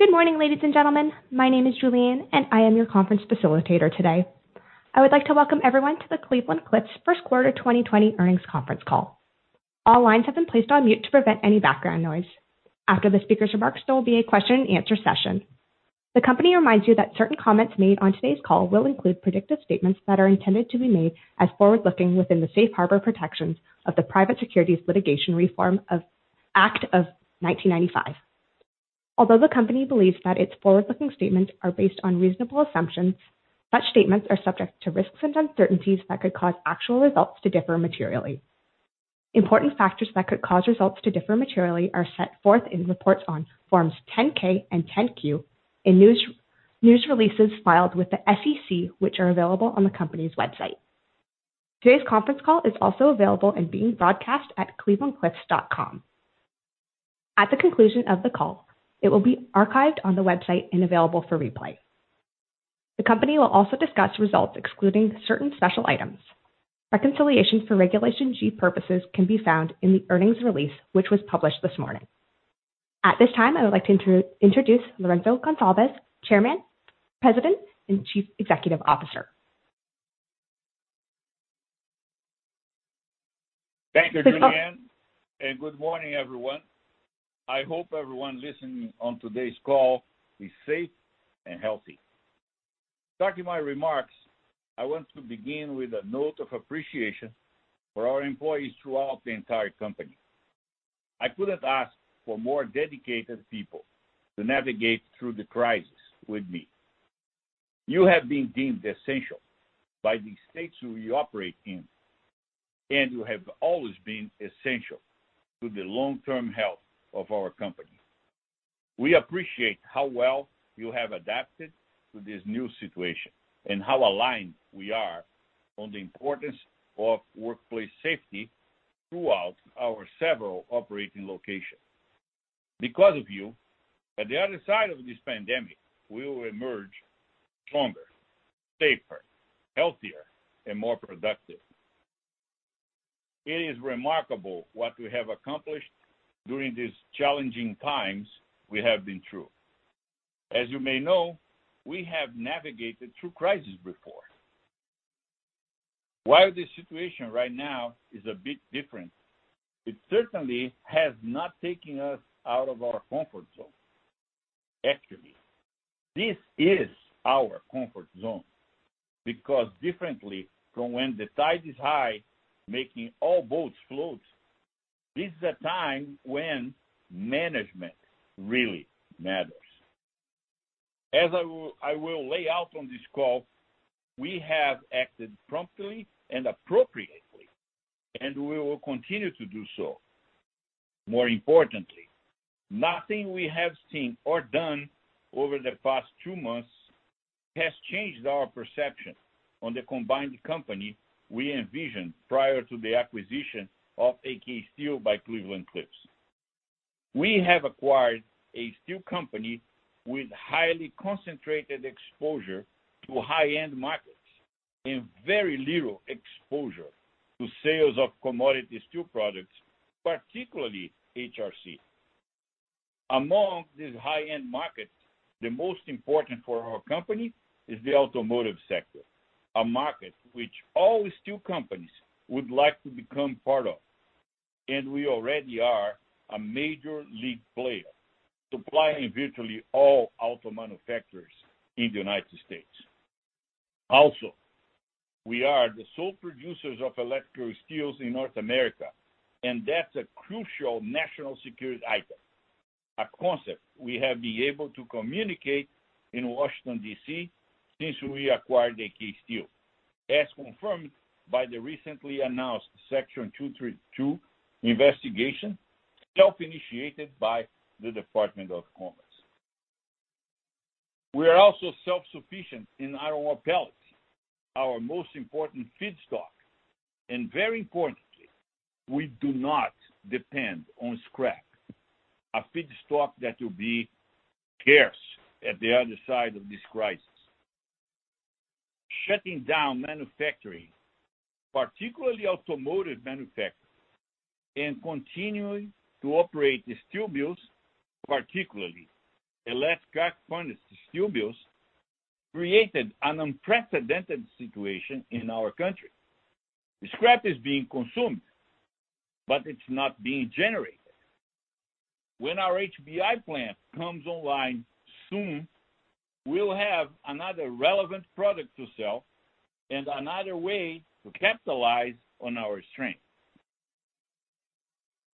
Good morning, ladies and gentlemen. My name is Julianne, and I am your conference facilitator today. I would like to welcome everyone to the Cleveland-Cliffs first quarter 2020 earnings conference call. All lines have been placed on mute to prevent any background noise. After the speakers' remarks, there will be a question-and-answer session. The company reminds you that certain comments made on today's call will include predictive statements that are intended to be made as forward-looking within the safe harbor protections of the Private Securities Litigation Reform Act of 1995. Although the company believes that its forward-looking statements are based on reasonable assumptions, such statements are subject to risks and uncertainties that could cause actual results to differ materially. Important factors that could cause results to differ materially are set forth in reports on Forms 10-K and 10-Q, in news releases filed with the SEC, which are available on the company's website. Today's conference call is also available and being broadcast at clevelandcliffs.com. At the conclusion of the call, it will be archived on the website and available for replay. The company will also discuss results excluding certain special items. Reconciliation for Regulation G purposes can be found in the earnings release, which was published this morning. At this time, I would like to introduce Lourenco Goncalves, Chairman, President, and Chief Executive Officer. Thank you, Julianne, and good morning, everyone. I hope everyone listening on today's call is safe and healthy. Starting my remarks, I want to begin with a note of appreciation for our employees throughout the entire company. I couldn't ask for more dedicated people to navigate through the crisis with me. You have been deemed essential by the states who you operate in, and you have always been essential to the long-term health of our company. We appreciate how well you have adapted to this new situation and how aligned we are on the importance of workplace safety throughout our several operating locations. Because of you, at the other side of this pandemic, we will emerge stronger, safer, healthier, and more productive. It is remarkable what we have accomplished during these challenging times we have been through. As you may know, we have navigated through crisis before. While the situation right now is a bit different, it certainly has not taken us out of our comfort zone. Actually, this is our comfort zone, because differently from when the tide is high, making all boats float, this is a time when management really matters. As I will lay out on this call, we have acted promptly and appropriately, and we will continue to do so. More importantly, nothing we have seen or done over the past two months has changed our perception on the combined company we envisioned prior to the acquisition of AK Steel by Cleveland-Cliffs. We have acquired a steel company with highly concentrated exposure to high-end markets and very little exposure to sales of commodity steel products, particularly HRC. Among these high-end markets, the most important for our company is the automotive sector, a market which all steel companies would like to become part of, and we already are a major league player, supplying virtually all auto manufacturers in the United States. Also, we are the sole producers of electrical steels in North America, and that's a crucial national security item, a concept we have been able to communicate in Washington, D.C., since we acquired AK Steel, as confirmed by the recently announced Section 232 investigation, self-initiated by the Department of Commerce. We are also self-sufficient in iron ore pellets, our most important feedstock, and very importantly, we do not depend on scrap, a feedstock that will be scarce at the other side of this crisis. Shutting down manufacturing, particularly automotive manufacturing, and continuing to operate the steel mills, particularly electric arc furnace steel mills, created an unprecedented situation in our country. The scrap is being consumed, but it's not being generated. When our HBI plant comes online soon, we'll have another relevant product to sell and another way to capitalize on our strength.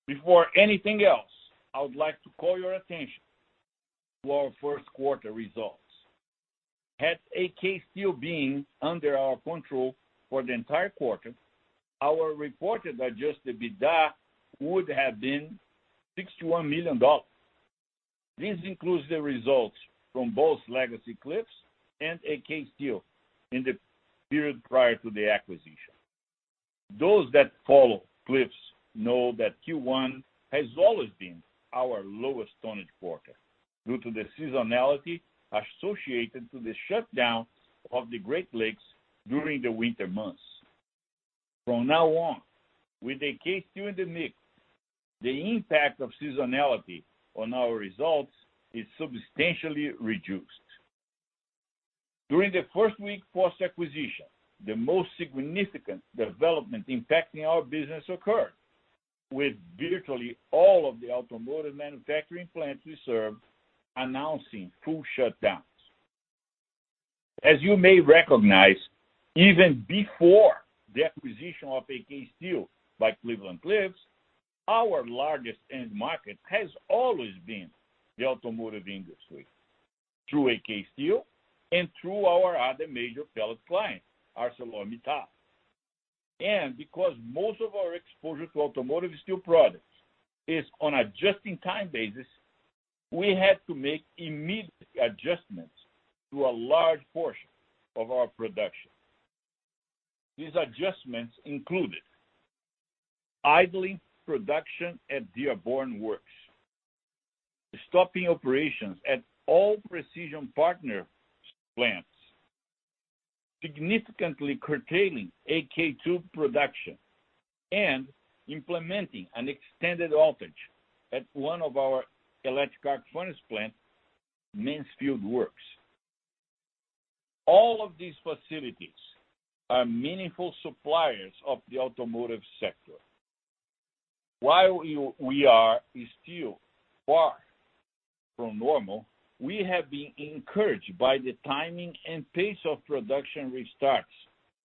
Before anything else, I would like to call your attention to our first quarter results. Had AK Steel been under our control for the entire quarter, our reported adjusted EBITDA would have been $61 million. This includes the results from both legacy Cliffs and AK Steel in the period prior to the acquisition. Those that follow Cliffs know that Q1 has always been our lowest tonnage quarter due to the seasonality associated to the shutdown of the Great Lakes during the winter months. From now on, with AK Steel in the mix, the impact of seasonality on our results is substantially reduced. During the first week post-acquisition, the most significant development impacting our business occurred, with virtually all of the automotive manufacturing plants we serve announcing full shutdowns. As you may recognize, even before the acquisition of AK Steel by Cleveland-Cliffs, our largest end market has always been the automotive industry, through AK Steel and through our other major pellet client, ArcelorMittal. Because most of our exposure to automotive steel products is on a just-in-time basis, we had to make immediate adjustments to a large portion of our production. These adjustments included idling production at Dearborn Works, stopping operations at all Precision Partners plants, significantly curtailing AK Tube production, and implementing an extended outage at one of our electric arc furnace plant, Mansfield Works. All of these facilities are meaningful suppliers of the automotive sector. While we are still far from normal, we have been encouraged by the timing and pace of production restarts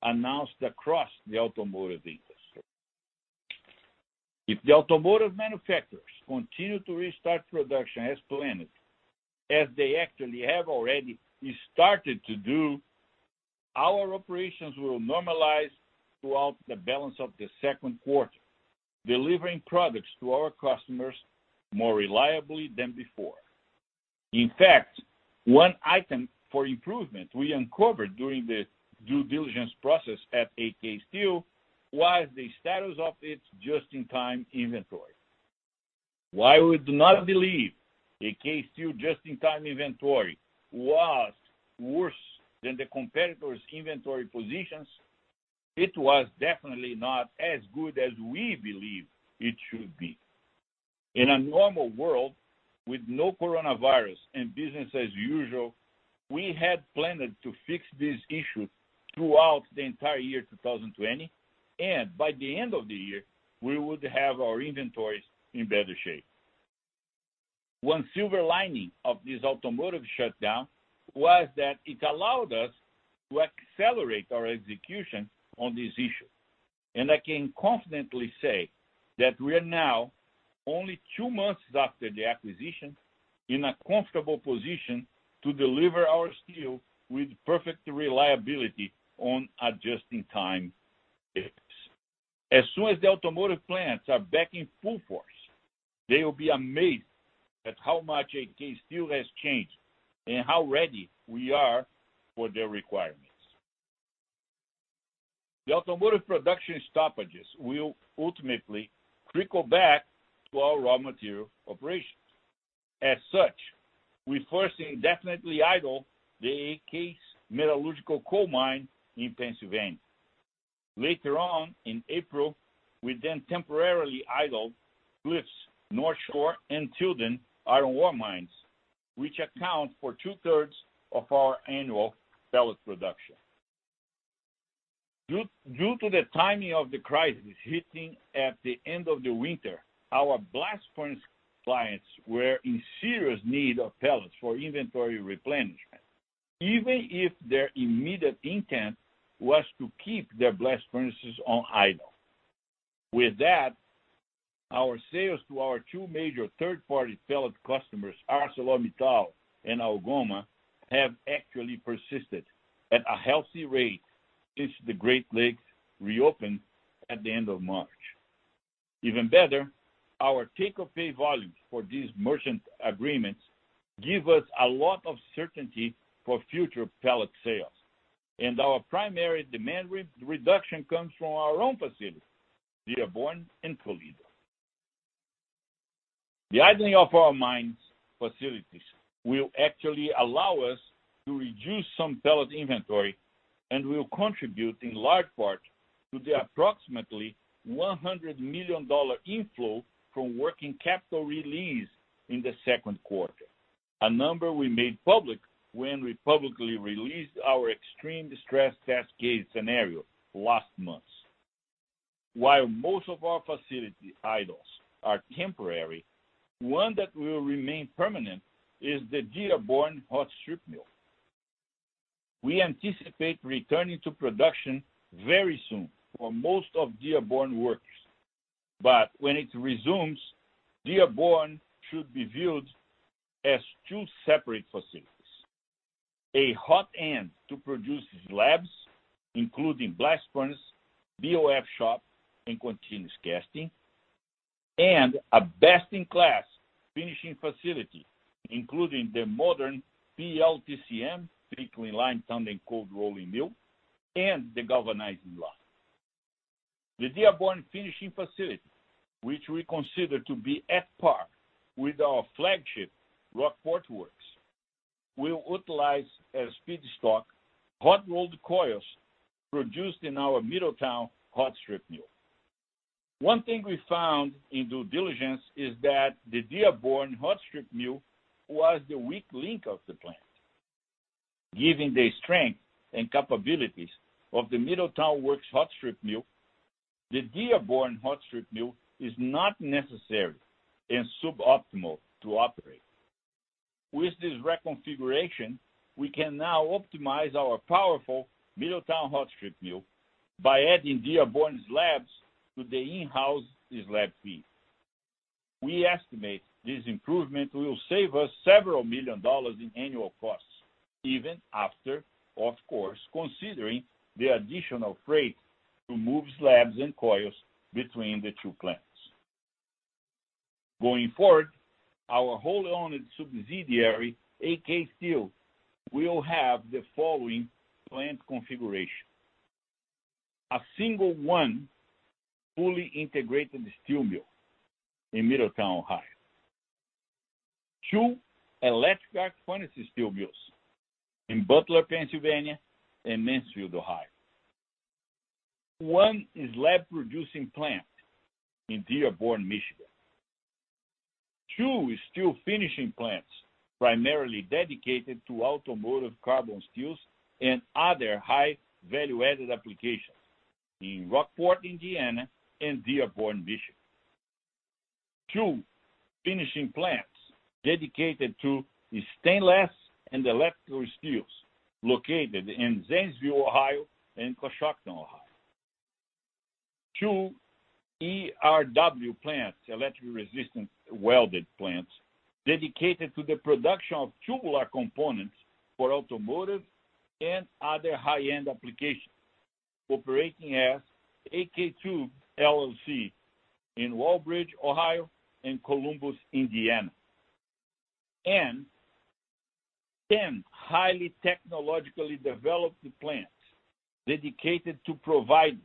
announced across the automotive industry. If the automotive manufacturers continue to restart production as planned, as they actually have already started to do, our operations will normalize throughout the balance of the second quarter, delivering products to our customers more reliably than before. In fact, one item for improvement we uncovered during the due diligence process at AK Steel was the status of its just-in-time inventory. While we do not believe AK Steel just-in-time inventory was worse than the competitors' inventory positions, it was definitely not as good as we believe it should be. In a normal world with no coronavirus and business as usual, we had planned to fix this issue throughout the entire year 2020, and by the end of the year, we would have our inventories in better shape. One silver lining of this automotive shutdown was that it allowed us to accelerate our execution on this issue, and I can confidently say that we are now, only two months after the acquisition, in a comfortable position to deliver our steel with perfect reliability on a just-in-time basis. As soon as the automotive plants are back in full force, they will be amazed at how much AK Steel has changed and how ready we are for their requirements. The automotive production stoppages will ultimately trickle back to our raw material operations. As such, we first indefinitely idled the AK metallurgical coal mine in Pennsylvania. Later on in April, we then temporarily idled Cliffs Northshore and Tilden iron ore mines, which account for 2/3 of our annual pellet production. Due to the timing of the crisis hitting at the end of the winter, our blast furnace clients were in serious need of pellets for inventory replenishment, even if their immediate intent was to keep their blast furnaces on idle. With that, our sales to our two major third-party pellet customers, ArcelorMittal and Algoma, have actually persisted at a healthy rate since the Great Lakes reopened at the end of March. Even better, our take-or-pay volumes for these merchant agreements give us a lot of certainty for future pellet sales, and our primary demand reduction comes from our own facilities, Dearborn and Toledo. The idling of our mines facilities will actually allow us to reduce some pellet inventory and will contribute in large part to the approximately $100 million inflow from working capital release in the second quarter, a number we made public when we publicly released our extreme stress test case scenario last month. While most of our facility idles are temporary, one that will remain permanent is the Dearborn hot strip mill. We anticipate returning to production very soon for most of Dearborn Works. When it resumes, Dearborn should be viewed as two separate facilities, a hot end to produce slabs, including blast furnace, BOF shop, and continuous casting, and a best-in-class finishing facility, including the modern PLTCM, pickling, line annealing, cold rolling mill, and the galvanizing line. The Dearborn finishing facility, which we consider to be at par with our flagship Rockport Works. We'll utilize as feedstock, hot-rolled coils produced in our Middletown Works hot-strip mill. One thing we found in due diligence is that the Dearborn hot-strip mill was the weak link of the plant. Given the strength and capabilities of the Middletown Works hot-strip mill, the Dearborn hot-strip mill is not necessary and suboptimal to operate. With this reconfiguration, we can now optimize our powerful Middletown Works hot-strip mill by adding Dearborn slabs to the in-house slab feed. We estimate this improvement will save us several million dollars in annual costs, even after, of course, considering the additional freight to move slabs and coils between the two plants. Going forward, our whole-owned subsidiary, AK Steel, will have the following plant configuration. One, a single, fully integrated steel mill in Middletown, Ohio. Two, electric arc furnace steel mills in Butler, Pennsylvania, and Mansfield, Ohio. One is slab-producing plant in Dearborn, Michigan. Two is steel finishing plants, primarily dedicated to automotive carbon steels and other high value-added applications in Rockport, Indiana, and Dearborn, Michigan. Two finishing plants dedicated to stainless and electrical steels, located in Zanesville, Ohio, and Coshocton, Ohio. Two ERW plants, electric resistance welded plants, dedicated to the production of tubular components for automotive and other high-end applications, operating as AK Tube LLC in Walbridge, Ohio, and Columbus, Indiana. 10 highly technologically developed plants dedicated to providing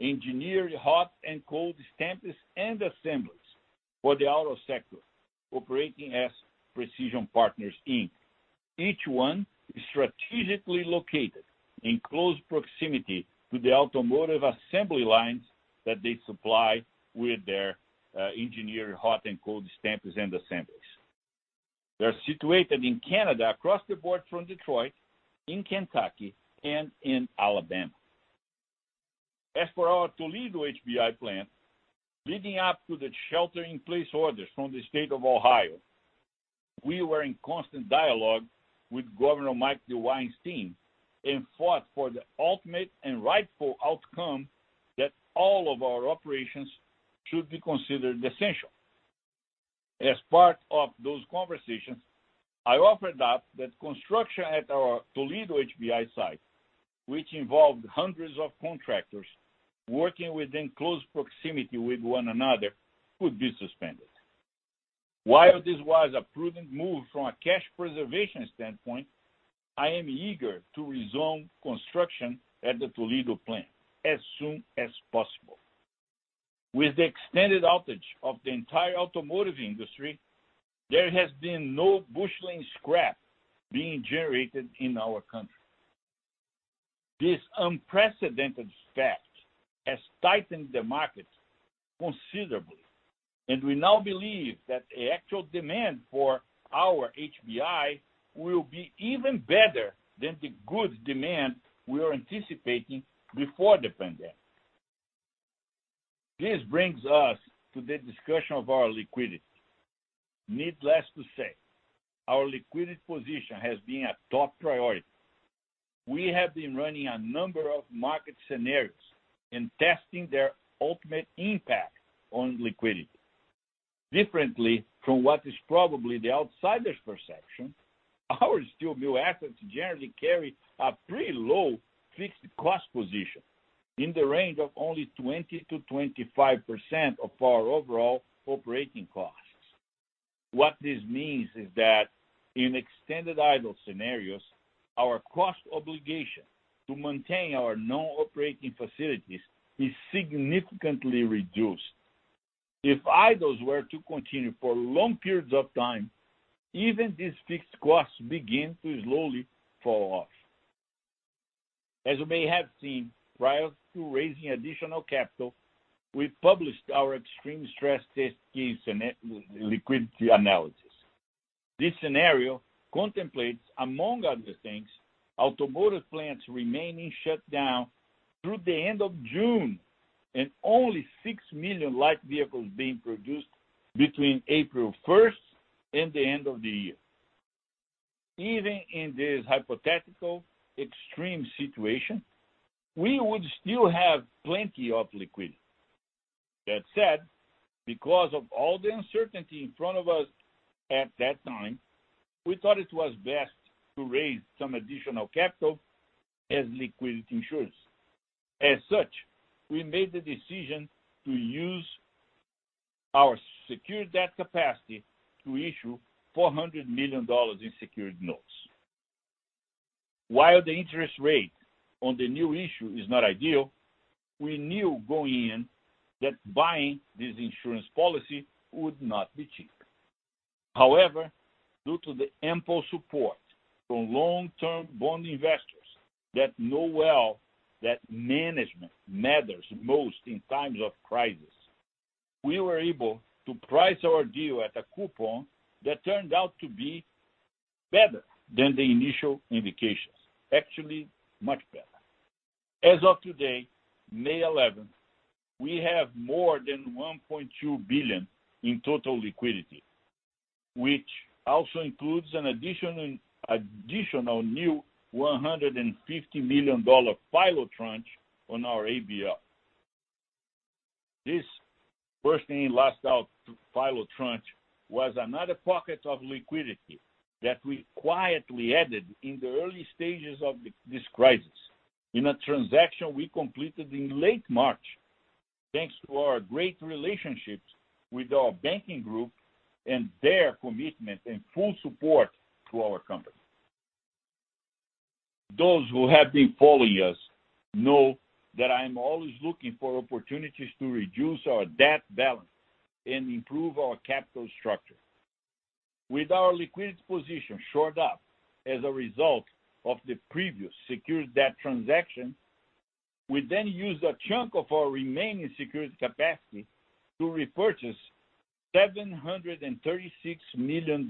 engineered hot and cold stamps and assemblies for the auto sector, operating as Precision Partners Inc. Each one is strategically located in close proximity to the automotive assembly lines that they supply with their engineered hot and cold stamps and assemblies. They're situated in Canada across the board from Detroit, in Kentucky, and in Alabama. As for our Toledo HBI plant, leading up to the shelter-in-place orders from the State of Ohio, we were in constant dialogue with Governor Mike DeWine's team and fought for the ultimate and rightful outcome that all of our operations should be considered essential. As part of those conversations, I offered up that construction at our Toledo HBI site, which involved hundreds of contractors working within close proximity with one another, would be suspended. While this was a prudent move from a cash preservation standpoint, I am eager to resume construction at the Toledo plant as soon as possible. With the extended outage of the entire automotive industry, there has been no busheling scrap being generated in our country. This unprecedented fact has tightened the market considerably, we now believe that the actual demand for our HBI will be even better than the good demand we were anticipating before the pandemic. This brings us to the discussion of our liquidity. Needless to say, our liquidity position has been a top priority. We have been running a number of market scenarios and testing their ultimate impact on liquidity. Differently from what is probably the outsider's perception, our steel mill assets generally carry a pretty low fixed cost position in the range of only 20%-25% of our overall operating costs. What this means is that in extended idle scenarios, our cost obligation to maintain our non-operating facilities is significantly reduced. If idles were to continue for long periods of time, even these fixed costs begin to slowly fall off. As you may have seen, prior to raising additional capital, we published our extreme stress test case liquidity analysis. This scenario contemplates, among other things, automotive plants remaining shut down through the end of June, and only 6 million light vehicles being produced between April 1st and the end of the year. Even in this hypothetical extreme situation, we would still have plenty of liquidity. That said, because of all the uncertainty in front of us at that time, we thought it was best to raise some additional capital as liquidity insurance. As such, we made the decision to use our secured debt capacity to issue $400 million in secured notes. While the interest rate on the new issue is not ideal, we knew going in that buying this insurance policy would not be cheap. However, due to the ample support from long-term bond investors that know well that management matters most in times of crisis, we were able to price our deal at a coupon that turned out to be better than the initial indications. Actually, much better. As of today, May 11th, we have more than $1.2 billion in total liquidity, which also includes an additional new $150 million FILO tranche on our ABL. This first-in, last-out FILO tranche was another pocket of liquidity that we quietly added in the early stages of this crisis in a transaction we completed in late March, thanks to our great relationships with our banking group and their commitment and full support to our company. Those who have been following us know that I'm always looking for opportunities to reduce our debt balance and improve our capital structure. With our liquidity position shored up as a result of the previous secured debt transaction, we then used a chunk of our remaining secured capacity to repurchase $736 million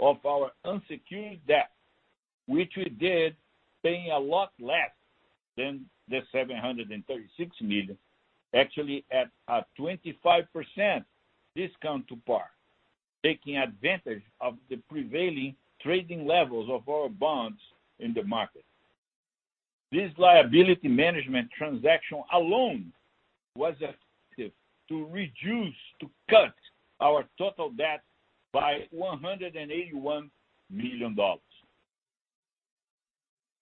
of our unsecured debt, which we did paying a lot less than the $736 million. Actually, at a 25% discount to par, taking advantage of the prevailing trading levels of our bonds in the market. This liability management transaction alone was effective to reduce, to cut our total debt by $181 million.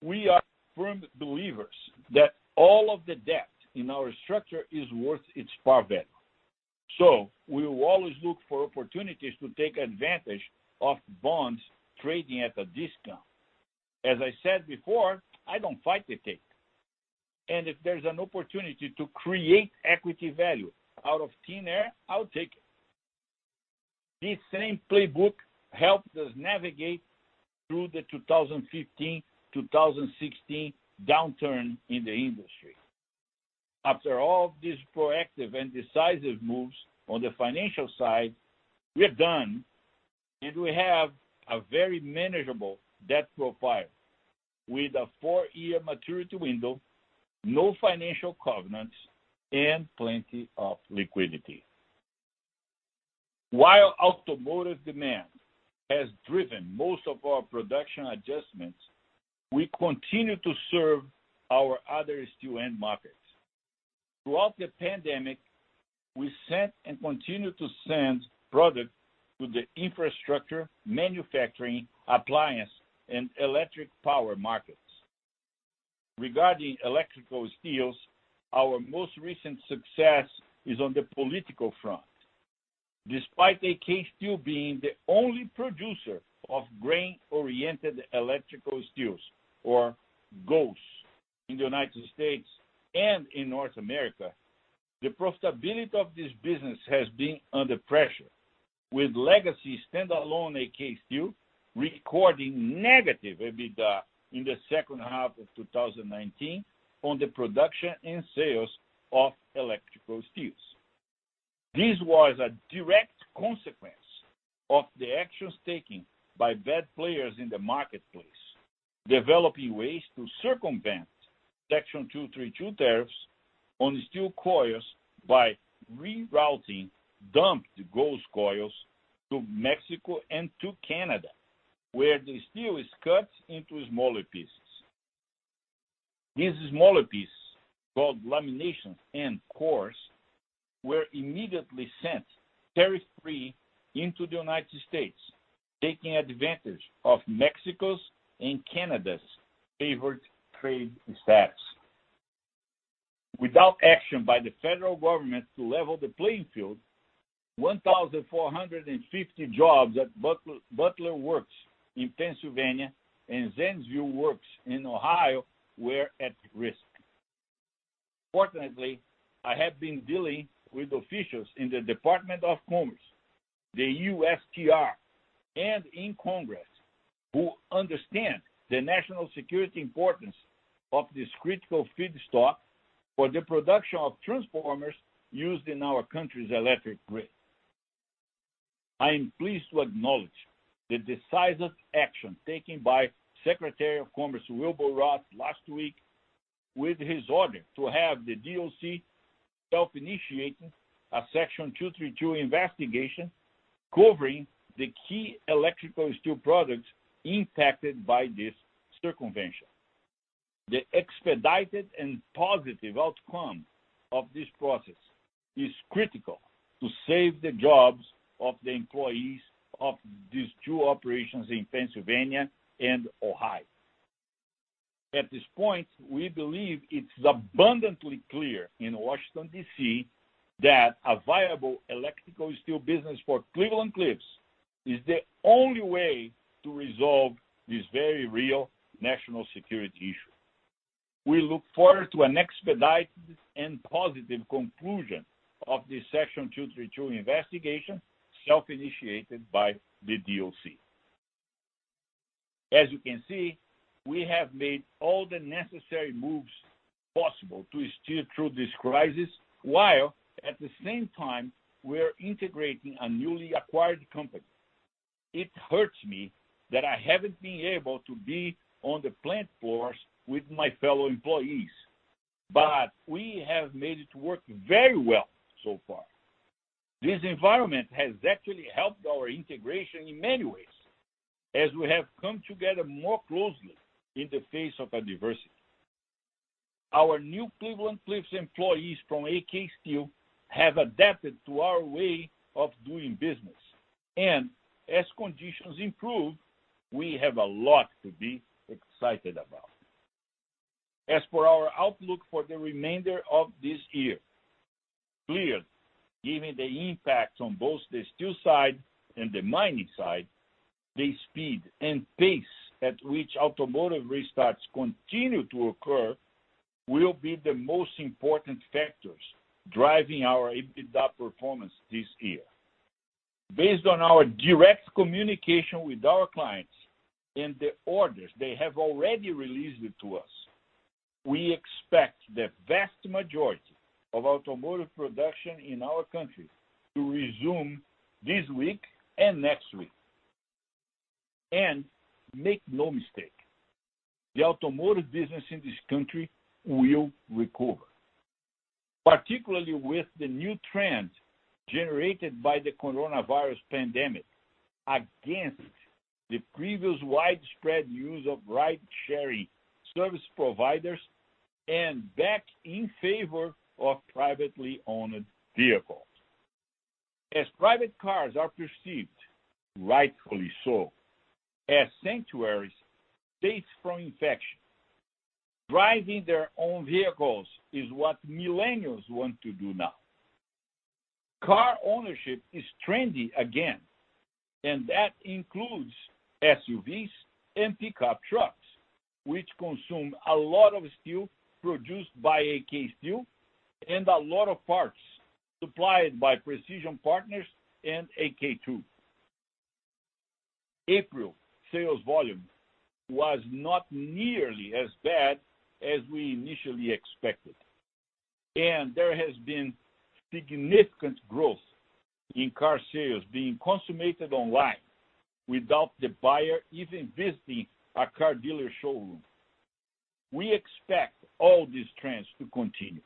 We are firm believers that all of the debt in our structure is worth its par value. We will always look for opportunities to take advantage of bonds trading at a discount. As I said before, I don't fight the tape, and if there's an opportunity to create equity value out of thin air, I'll take it. This same playbook helped us navigate through the 2015, 2016 downturn in the industry. After all these proactive and decisive moves on the financial side, we're done. We have a very manageable debt profile with a four-year maturity window, no financial covenants, and plenty of liquidity. While automotive demand has driven most of our production adjustments, we continue to serve our other steel end markets. Throughout the pandemic, we sent and continue to send product to the infrastructure, manufacturing, appliance, and electric power markets. Regarding electrical steels, our most recent success is on the political front. Despite AK Steel being the only producer of grain-oriented electrical steels, or GOES, in the United States and in North America, the profitability of this business has been under pressure, with legacy standalone AK Steel recording negative EBITDA in the second half of 2019 on the production and sales of electrical steels. This was a direct consequence of the actions taken by bad players in the marketplace, developing ways to circumvent Section 232 tariffs on steel coils by rerouting dumped GOES coils to Mexico and to Canada, where the steel is cut into smaller pieces. These smaller pieces, called laminations and cores, were immediately sent tariff-free into the United States, taking advantage of Mexico's and Canada's favored trade status. Without action by the federal government to level the playing field, 1,450 jobs at Butler Works in Pennsylvania and Zanesville Works in Ohio were at risk. Fortunately, I have been dealing with officials in the Department of Commerce, the USTR, and in Congress who understand the national security importance of this critical feedstock for the production of transformers used in our country's electric grid. I am pleased to acknowledge the decisive action taken by Secretary of Commerce, Wilbur Ross, last week with his order to have the DOC self-initiating a Section 232 investigation covering the key electrical steel products impacted by this circumvention. The expedited and positive outcome of this process is critical to save the jobs of the employees of these two operations in Pennsylvania and Ohio. At this point, we believe it's abundantly clear in Washington, D.C., that a viable electrical steel business for Cleveland-Cliffs is the only way to resolve this very real national security issue. We look forward to an expedited and positive conclusion of the Section 232 investigation, self-initiated by the DOC. As you can see, we have made all the necessary moves possible to steer through this crisis, while at the same time, we're integrating a newly acquired company. It hurts me that I haven't been able to be on the plant floors with my fellow employees, but we have made it work very well so far. This environment has actually helped our integration in many ways, as we have come together more closely in the face of adversity. Our new Cleveland-Cliffs employees from AK Steel have adapted to our way of doing business. As conditions improve, we have a lot to be excited about. As for our outlook for the remainder of this year, clearly, given the impact on both the steel side and the mining side, the speed and pace at which automotive restarts continue to occur will be the most important factors driving our EBITDA performance this year. Based on our direct communication with our clients and the orders they have already released to us, we expect the vast majority of automotive production in our country to resume this week and next week. Make no mistake, the automotive business in this country will recover. Particularly with the new trend generated by the coronavirus pandemic against the previous widespread use of ride-sharing service providers and back in favor of privately owned vehicles. As private cars are perceived, rightfully so, as sanctuaries safe from infection. Driving their own vehicles is what millennials want to do now. Car ownership is trendy again, and that includes SUVs and pickup trucks, which consume a lot of steel produced by AK Steel and a lot of parts supplied by Precision Partners and AK Tube. April sales volume was not nearly as bad as we initially expected, and there has been significant growth in car sales being consummated online without the buyer even visiting a car dealer showroom. We expect all these trends to continue,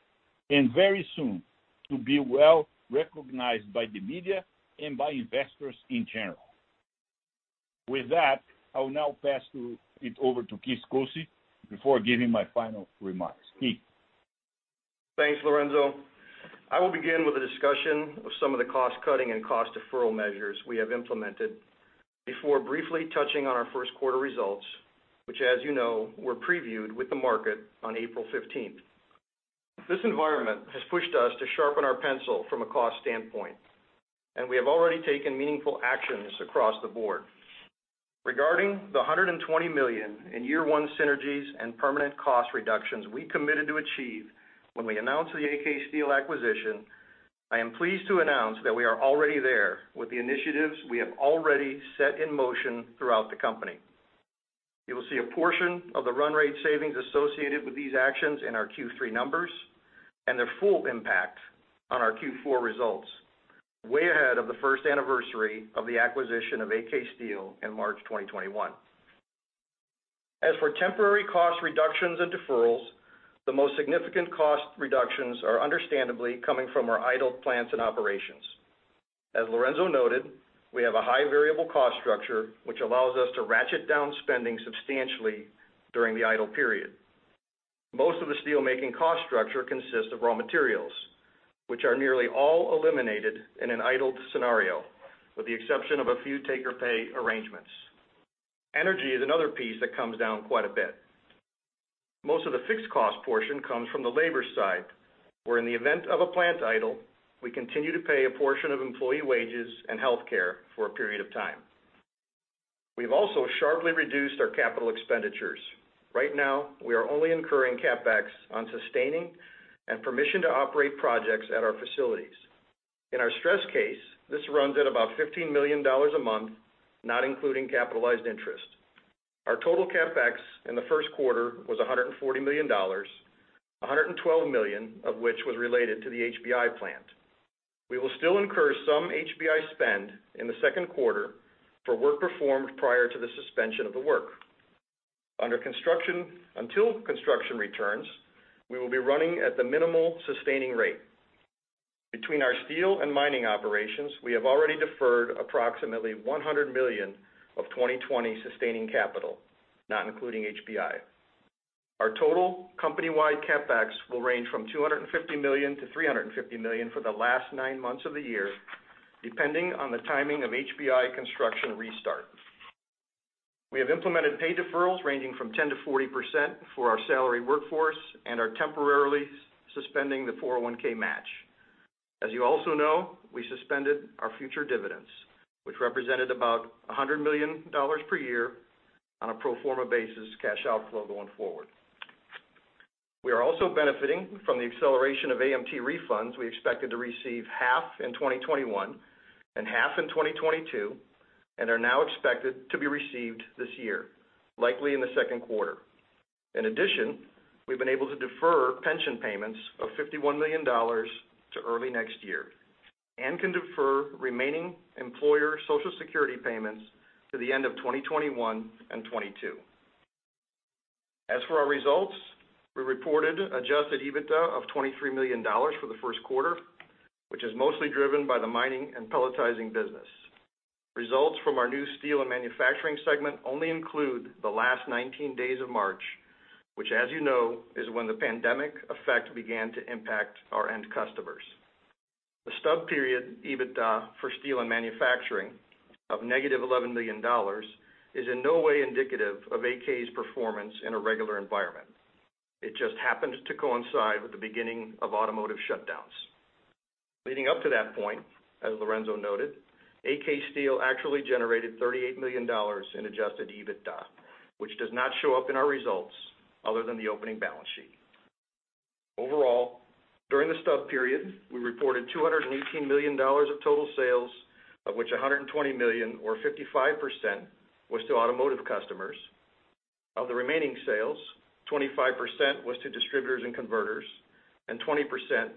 and very soon to be well-recognized by the media and by investors in general. With that, I will now pass it over to Keith Koci before giving my final remarks. Keith? Thanks, Lourenco. I will begin with a discussion of some of the cost-cutting and cost deferral measures we have implemented before briefly touching on our first quarter results, which as you know, were previewed with the market on April 15th. This environment has pushed us to sharpen our pencil from a cost standpoint, and we have already taken meaningful actions across the board. Regarding the $120 million in year one synergies and permanent cost reductions we committed to achieve when we announced the AK Steel acquisition, I am pleased to announce that we are already there with the initiatives we have already set in motion throughout the company. You will see a portion of the run rate savings associated with these actions in our Q3 numbers, and their full impact on our Q4 results, way ahead of the first anniversary of the acquisition of AK Steel in March 2021. As for temporary cost reductions and deferrals, the most significant cost reductions are understandably coming from our idled plants and operations. As Lourenco noted, we have a high variable cost structure, which allows us to ratchet down spending substantially during the idle period. Most of the steelmaking cost structure consists of raw materials, which are nearly all eliminated in an idled scenario, with the exception of a few take or pay arrangements. Energy is another piece that comes down quite a bit. Most of the fixed cost portion comes from the labor side, where in the event of a plant idle, we continue to pay a portion of employee wages and healthcare for a period of time. We've also sharply reduced our capital expenditures. Right now, we are only incurring CapEx on sustaining and permission to operate projects at our facilities. In our stress case, this runs at about $15 million a month, not including capitalized interest. Our total CapEx in the first quarter was $140 million, $112 million of which was related to the HBI plant. We will still incur some HBI spend in the second quarter for work performed prior to the suspension of the work. Until construction returns, we will be running at the minimal sustaining rate. Between our steel and mining operations, we have already deferred approximately $100 million of 2020 sustaining capital, not including HBI. Our total company-wide CapEx will range from $250 million-$350 million for the last nine months of the year. Depending on the timing of HBI construction restart. We have implemented pay deferrals ranging from 10%-40% for our salary workforce and are temporarily suspending the 401(k) match. As you also know, we suspended our future dividends, which represented about $100 million per year on a pro forma basis cash outflow going forward. We are also benefiting from the acceleration of AMT refunds we expected to receive half in 2021 and half in 2022, are now expected to be received this year, likely in the second quarter. In addition, we've been able to defer pension payments of $51 million to early next year, and can defer remaining employer Social Security payments to the end of 2021 and 2022. As for our results, we reported adjusted EBITDA of $23 million for the first quarter, which is mostly driven by the mining and pelletizing business. Results from our new steel and manufacturing segment only include the last 19 days of March, which, as you know, is when the pandemic effect began to impact our end customers. The stub period EBITDA for steel and manufacturing of -$11 million is in no way indicative of AK's performance in a regular environment. It just happened to coincide with the beginning of automotive shutdowns. Leading up to that point, as Lourenco noted, AK Steel actually generated $38 million in adjusted EBITDA, which does not show up in our results other than the opening balance sheet. Overall, during the stub period, we reported $218 million of total sales, of which $120 million, or 55%, was to automotive customers. Of the remaining sales, 25% was to distributors and converters, and 20%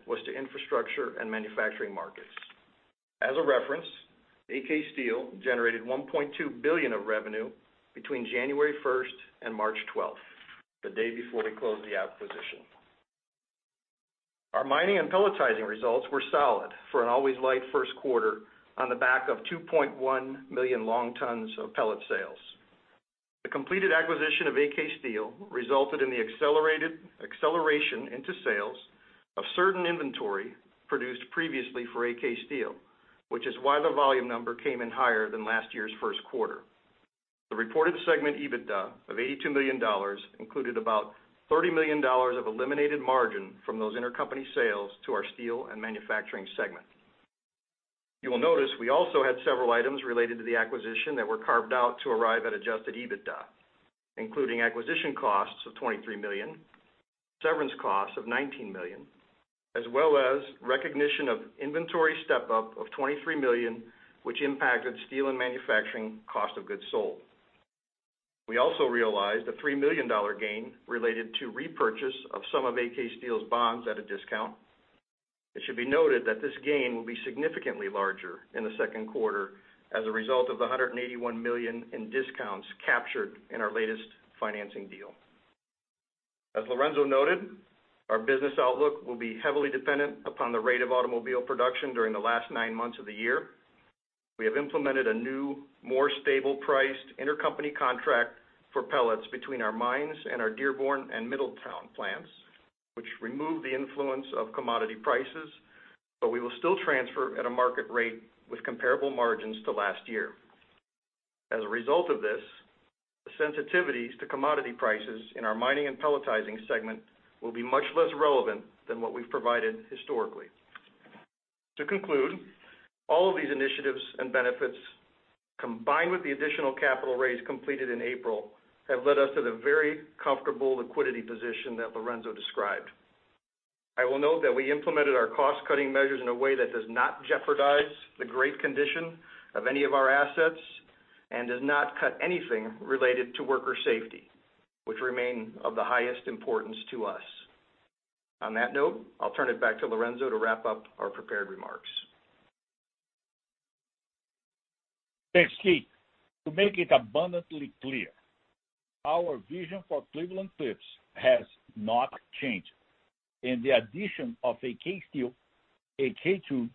was to infrastructure and manufacturing markets. As a reference, AK Steel generated $1.2 billion of revenue between January 1st and March 12th, the day before we closed the acquisition. Our mining and pelletizing results were solid for an always light first quarter on the back of 2.1 million long tons of pellet sales. The completed acquisition of AK Steel resulted in the acceleration into sales of certain inventory produced previously for AK Steel, which is why the volume number came in higher than last year's first quarter. The reported segment EBITDA of $82 million included about $30 million of eliminated margin from those intercompany sales to our steel and manufacturing segment. You will notice we also had several items related to the acquisition that were carved out to arrive at adjusted EBITDA, including acquisition costs of $23 million, severance costs of $19 million, as well as recognition of inventory step-up of $23 million, which impacted steel and manufacturing cost of goods sold. We also realized a $3 million gain related to repurchase of some of AK Steel's bonds at a discount. It should be noted that this gain will be significantly larger in the second quarter as a result of the $181 million in discounts captured in our latest financing deal. As Lourenco noted, our business outlook will be heavily dependent upon the rate of automobile production during the last nine months of the year. We have implemented a new, more stable priced intercompany contract for pellets between our mines and our Dearborn and Middletown plants, which remove the influence of commodity prices, but we will still transfer at a market rate with comparable margins to last year. As a result of this, the sensitivities to commodity prices in our mining and pelletizing segment will be much less relevant than what we've provided historically. To conclude, all of these initiatives and benefits, combined with the additional capital raise completed in April, have led us to the very comfortable liquidity position that Lourenco described. I will note that we implemented our cost-cutting measures in a way that does not jeopardize the great condition of any of our assets and does not cut anything related to worker safety, which remain of the highest importance to us. On that note, I'll turn it back to Lourenco to wrap up our prepared remarks. Thanks, Keith. To make it abundantly clear, our vision for Cleveland-Cliffs has not changed, and the addition of AK Steel, AK Tube,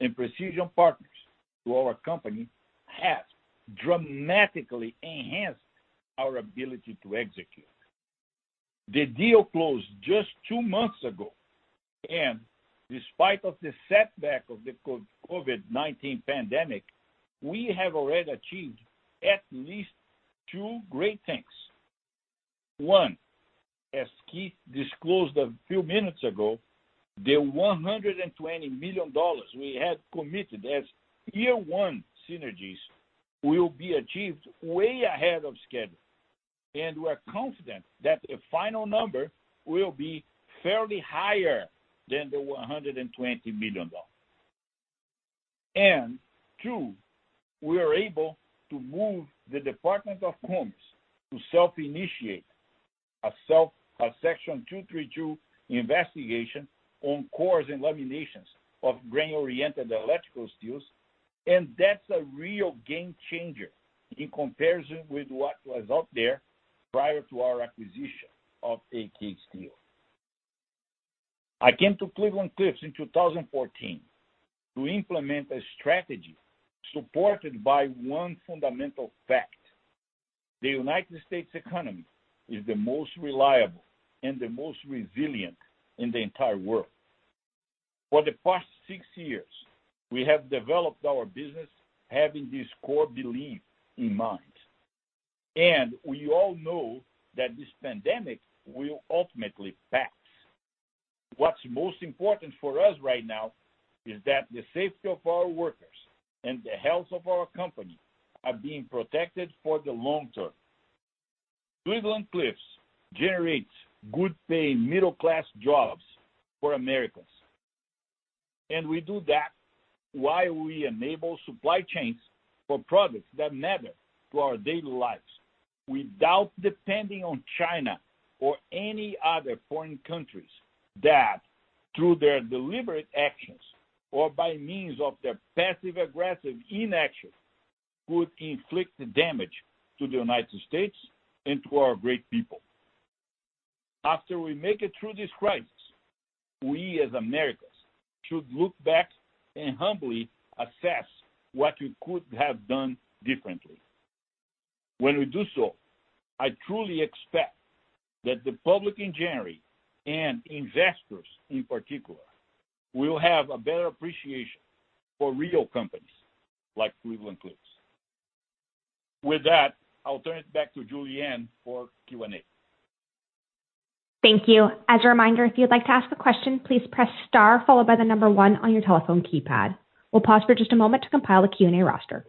and Precision Partners to our company has dramatically enhanced our ability to execute. The deal closed just two months ago, and despite of the setback of the COVID-19 pandemic, we have already achieved at least two great things. One, as Keith disclosed a few minutes ago, the $120 million we had committed as year one synergies will be achieved way ahead of schedule, and we're confident that the final number will be fairly higher than the $120 million. Two, we are able to move the Department of Commerce to self-initiate a Section 232 investigation on cores and laminations of grain-oriented electrical steels, and that's a real game changer in comparison with what was out there prior to our acquisition of AK Steel. I came to Cleveland-Cliffs in 2014 to implement a strategy supported by one fundamental fact. The United States economy is the most reliable and the most resilient in the entire world. For the past six years, we have developed our business having this core belief in mind, and we all know that this pandemic will ultimately pass. What's most important for us right now is that the safety of our workers and the health of our company are being protected for the long term. Cleveland-Cliffs generates good-paying middle-class jobs for Americans, and we do that while we enable supply chains for products that matter to our daily lives without depending on China or any other foreign countries that, through their deliberate actions or by means of their passive-aggressive inaction, could inflict damage to the United States and to our great people. After we make it through this crisis, we, as Americans, should look back and humbly assess what we could have done differently. When we do so, I truly expect that the public in general, and investors in particular, will have a better appreciation for real companies like Cleveland-Cliffs. With that, I'll turn it back to Julianne for Q&A. Thank you. As a reminder, if you'd like to ask a question, please press star followed by the number one on your telephone keypad. We'll pause for just a moment to compile a Q&A roster.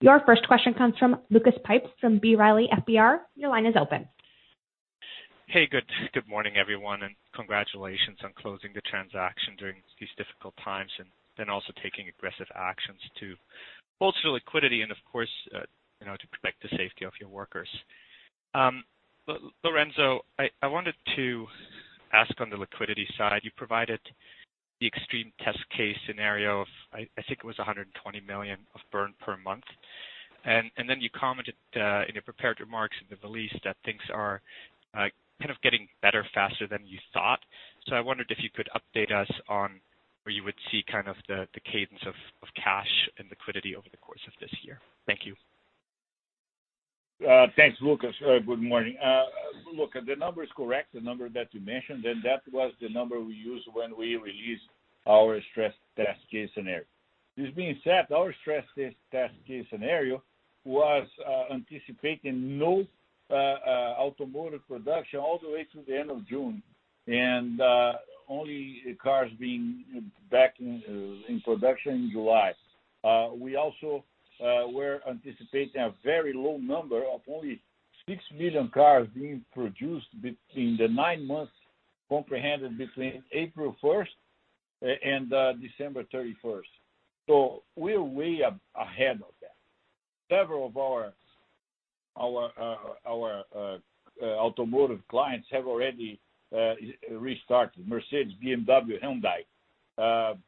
Your first question comes from Lucas Pipes from B. Riley FBR. Your line is open. Hey, good morning, everyone. Congratulations on closing the transaction during these difficult times. Also taking aggressive actions to bolster liquidity and of course, to protect the safety of your workers. Lourenco, I wanted to ask on the liquidity side. You provided the extreme test case scenario of, I think it was $120 million of burn per month. You commented in your prepared remarks in the release that things are kind of getting better faster than you thought. I wondered if you could update us on where you would see kind of the cadence of cash and liquidity over the course of this year? Thank you. Thanks, Lucas. Good morning. The number is correct, the number that you mentioned, and that was the number we used when we released our stress test case scenario. This being said, our stress test case scenario was anticipating no automotive production all the way through the end of June, and only cars being back in production in July. We also were anticipating a very low number of only 6 million cars being produced between the nine months comprehended between April 1st and December 31st. We're way ahead of that. Several of our automotive clients have already restarted: Mercedes-Benz, BMW, Hyundai.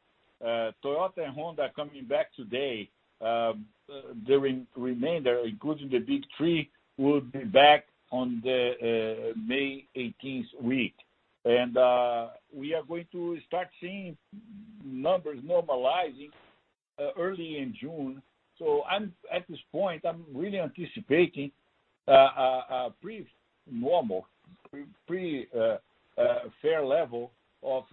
Toyota and Honda are coming back today. The remainder, including the Big Three, will be back on the May 18th week. We are going to start seeing numbers normalizing early in June. At this point, I'm really anticipating a pretty normal, pretty fair level of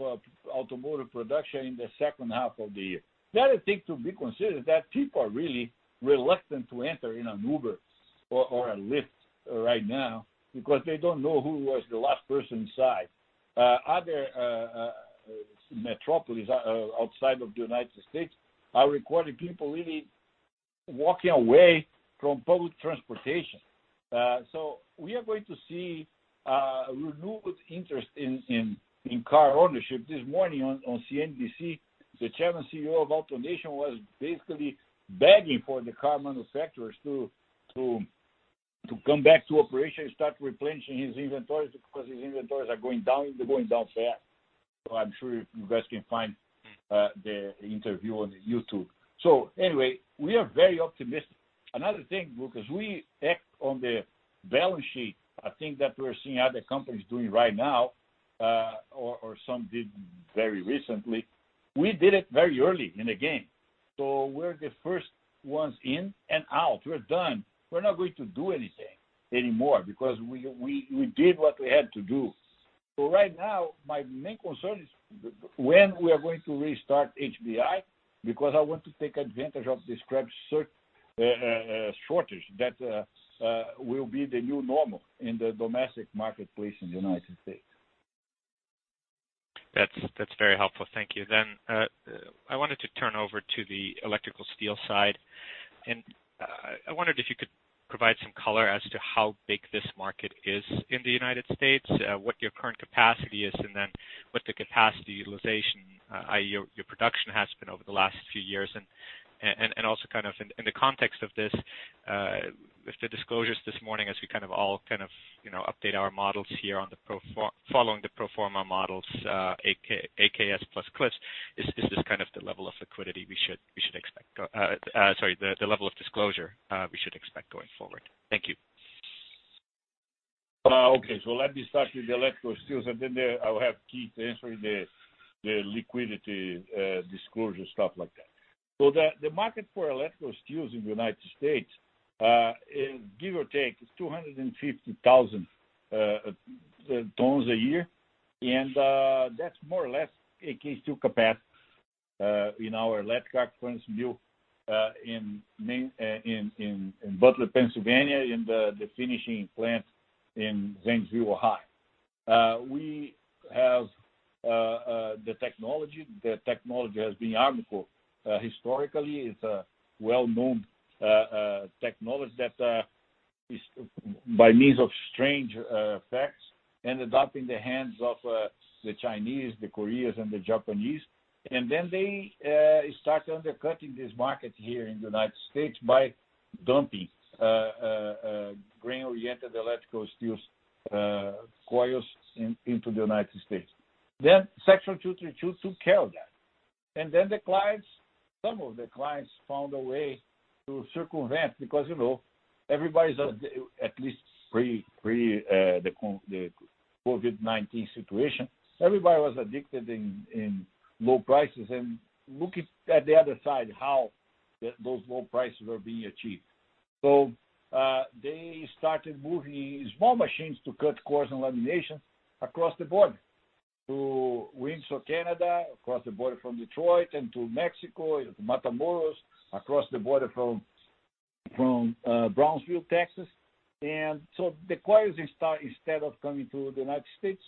automotive production in the second half of the year. The other thing to be considered is that people are really reluctant to enter in an Uber or a Lyft right now because they don't know who was the last person inside. Other metropolis outside of the United States are recording people really walking away from public transportation. We are going to see a renewed interest in car ownership. This morning on CNBC, the Chairman and CEO of AutoNation was basically begging for the car manufacturers to come back to operation and start replenishing his inventories because his inventories are going down, and they're going down fast. I'm sure you guys can find the interview on YouTube. Anyway, we are very optimistic. Another thing, Lucas, we act on the balance sheet, a thing that we're seeing other companies doing right now, or some did very recently. We did it very early in the game. We're the first ones in and out. We're done. We're not going to do anything anymore because we did what we had to do. Right now, my main concern is when we are going to restart HBI, because I want to take advantage of the scrap shortage that will be the new normal in the domestic marketplace in the United States. That's very helpful. Thank you. I wanted to turn over to the electrical steel side, and I wondered if you could provide some color as to how big this market is in the United States, what your current capacity is, and then what the capacity utilization, i.e., your production, has been over the last few years. Kind of in the context of this, with the disclosures this morning as we all kind of update our models here following the pro forma models, AKS plus Cliffs, is this kind of the level of disclosure we should expect going forward? Thank you. Okay. Let me start with the electrical steels, and then I will have Keith answering the liquidity disclosure, stuff like that. The market for electrical steels in the U.S., give or take, is 250,000 tons a year, and that's more or less AK Steel capacity in our electric furnace mill in Butler, Pennsylvania, and the finishing plant in Zanesville, Ohio. We have the technology. The technology has been around for historically. It's a well-known technology that is, by means of strange facts, ended up in the hands of the Chinese, the Koreans, and the Japanese. They started undercutting this market here in the U.S. by dumping grain-oriented electrical steels coils into the U.S. Section 232 took care of that. The clients, some of the clients, found a way to circumvent because everybody's, at least pre the COVID-19 situation, everybody was addicted in low prices and looking at the other side, how those low prices were being achieved. They started moving small machines to cut cores and laminations across the border to Windsor, Canada, across the border from Detroit, and to Mexico, to Matamoros, across the border from Brownsville, Texas. The coils, instead of coming to the United States,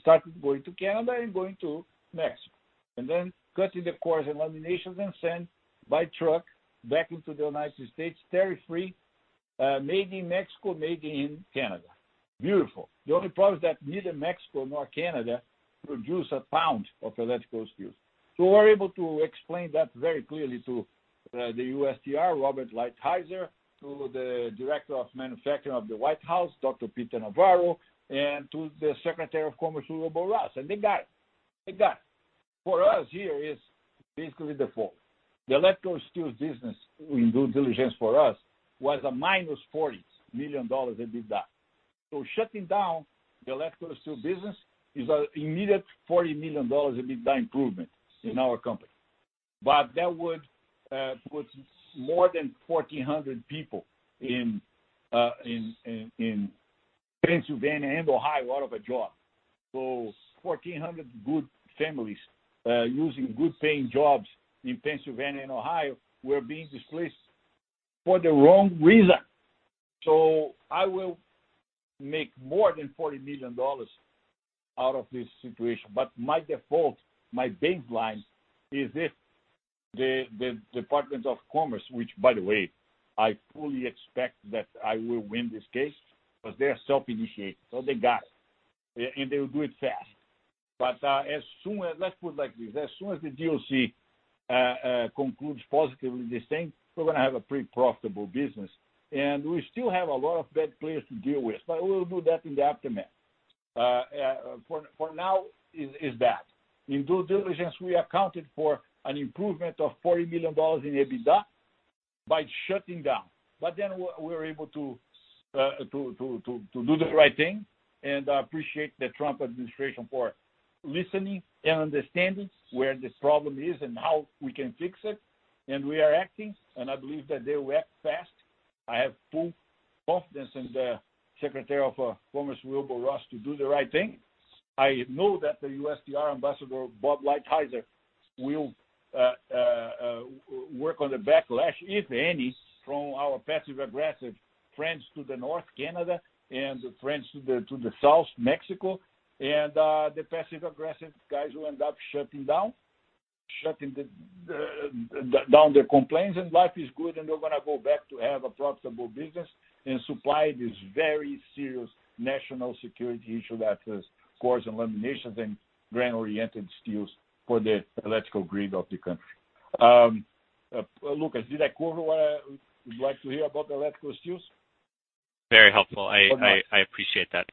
started going to Canada and going to Mexico. Cutting the cores and laminations, and sent by truck back into the United States tariff free, made in Mexico, made in Canada. Beautiful. The only problem is that neither Mexico nor Canada produce a pound of electrical steel. We're able to explain that very clearly to the USTR, Robert Lighthizer, to the Director of Manufacturing of the White House, Peter Navarro, and to the Secretary of Commerce, Wilbur Ross. They got it. For us, here is basically the fault. The electrical steels business in due diligence for us, was a -$40 million EBITDA. Shutting down the electrical steel business is an immediate $40 million EBITDA improvement in our company. That would put more than 1,400 people in Pennsylvania and Ohio out of a job. 1,400 good families, using good-paying jobs in Pennsylvania and Ohio, were being displaced for the wrong reason. I will make more than $40 million out of this situation, but my default, my baseline is if the Department of Commerce, which by the way, I fully expect that I will win this case because they are self-initiated, so they got it, and they will do it fast. Let's put it like this, as soon as the DOC concludes positively this thing, we're going to have a pretty profitable business. We still have a lot of bad players to deal with, but we will do that in the aftermath. For now, is that. In due diligence, we accounted for an improvement of $40 million in EBITDA by shutting down. We were able to do the right thing, and I appreciate the Trump administration for listening and understanding where this problem is and how we can fix it, and we are acting, and I believe that they will act fast. I have full confidence in the Secretary of Commerce, Wilbur Ross, to do the right thing. I know that the USTR Ambassador Bob Lighthizer will work on the backlash, if any, from our passive-aggressive friends to the North, Canada, and friends to the south, Mexico, and the passive-aggressive guys will end up shutting down their complaints, and life is good, and we're going to go back to have a profitable business and supply this very serious national security issue that is cores and laminations and grain-oriented electrical steels for the electrical grid of the country. Lucas, did I cover what you'd like to hear about electrical steels? Very helpful. Okay. I appreciate that.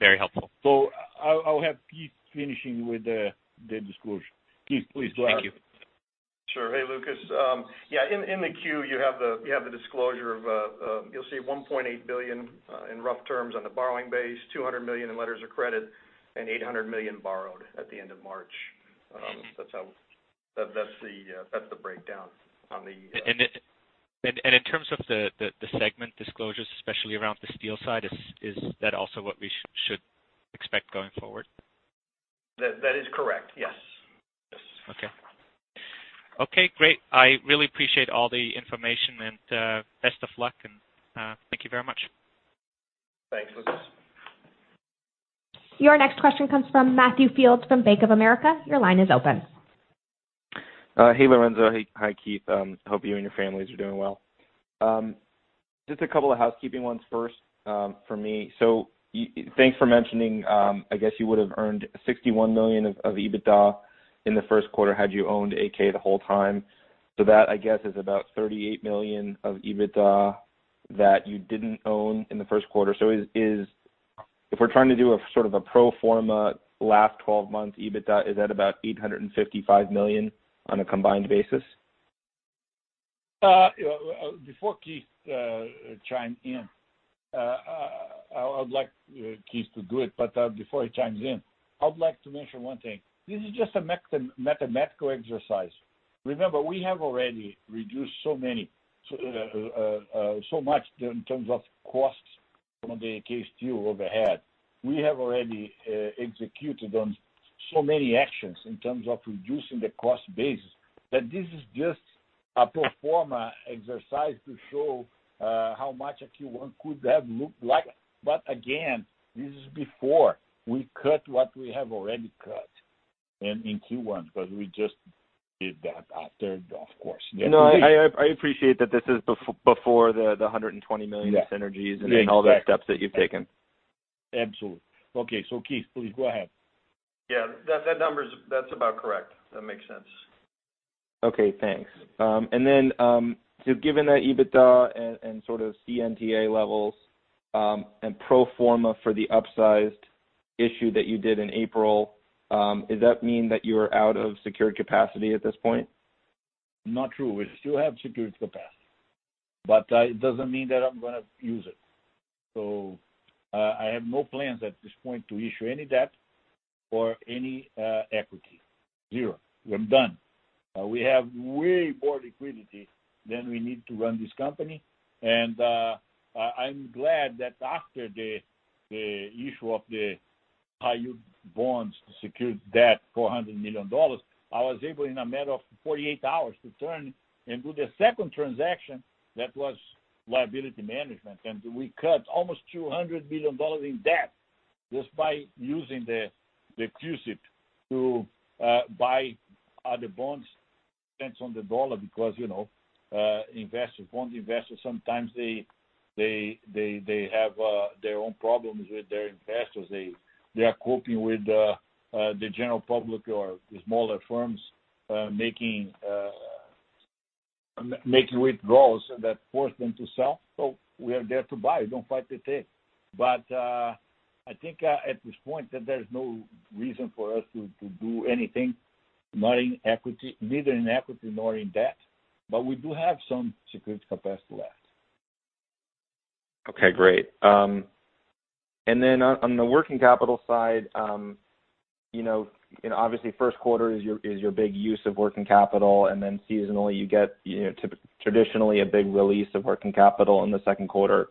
Very helpful. I'll have Keith finishing with the disclosure. Keith, please do. Thank you. Sure. Hey, Lucas. Yeah, in the Q, you have the disclosure of, you'll see $1.8 billion in rough terms on the borrowing base, $200 million in letters of credit, and $800 million borrowed at the end of March. That's the breakdown. In terms of the segment disclosures, especially around the steel side, is that also what we should expect going forward? That is correct, yes. Okay, great. I really appreciate all the information and best of luck, and thank you very much. Thanks, Lucas. Your next question comes from Matthew Fields from Bank of America. Your line is open. Hey, Lourenco. Hi, Keith. Hope you and your families are doing well. Just a couple of housekeeping ones first for me. Thanks for mentioning, I guess you would've earned $61 million of EBITDA in the first quarter had you owned AK the whole time. That, I guess, is about $38 million of EBITDA that you didn't own in the first quarter. If we're trying to do a sort of a pro forma last 12 months EBITDA, is that about $855 million on a combined basis? Before Keith chimes in, I would like Keith to do it. Before he chimes in, I would like to mention one thing. This is just a mathematical exercise. Remember, we have already reduced so much in terms of costs from the AK Steel overhead. We have already executed on so many actions in terms of reducing the cost basis, that this is just a pro forma exercise to show how much a Q1 could have looked like. Again, this is before we cut what we have already cut in Q1, because we just did that after, of course. No, I appreciate that this is before the $120 million synergies and all the steps that you've taken. Absolutely. Okay, Keith, please go ahead. Yeah. That number, that's about correct. That makes sense. Okay, thanks. Given the EBITDA and sort of CNTA levels, and pro forma for the upsized issue that you did in April, does that mean that you are out of secured capacity at this point? Not true. We still have secured capacity, but that doesn't mean that I'm going to use it. I have no plans at this point to issue any debt or any equity. Zero. We're done. We have way more liquidity than we need to run this company. I'm glad that after the issue of the high yield bonds to secure debt, $400 million, I was able, in a matter of 48 hours, to turn and do the second transaction, that was liability management. We cut almost $200 million in debt just by using the CUSIP to buy other bonds. Depends on the dollar because bond investors, sometimes they have their own problems with their investors. They are coping with the general public or smaller firms making withdrawals that force them to sell. We are there to buy. Don't fight the tape. I think, at this point, that there's no reason for us to do anything, neither in equity nor in debt. We do have some secured capacity left. Okay, great. On the working capital side, obviously first quarter is your big use of working capital, and then seasonally, you get traditionally a big release of working capital in the second quarter.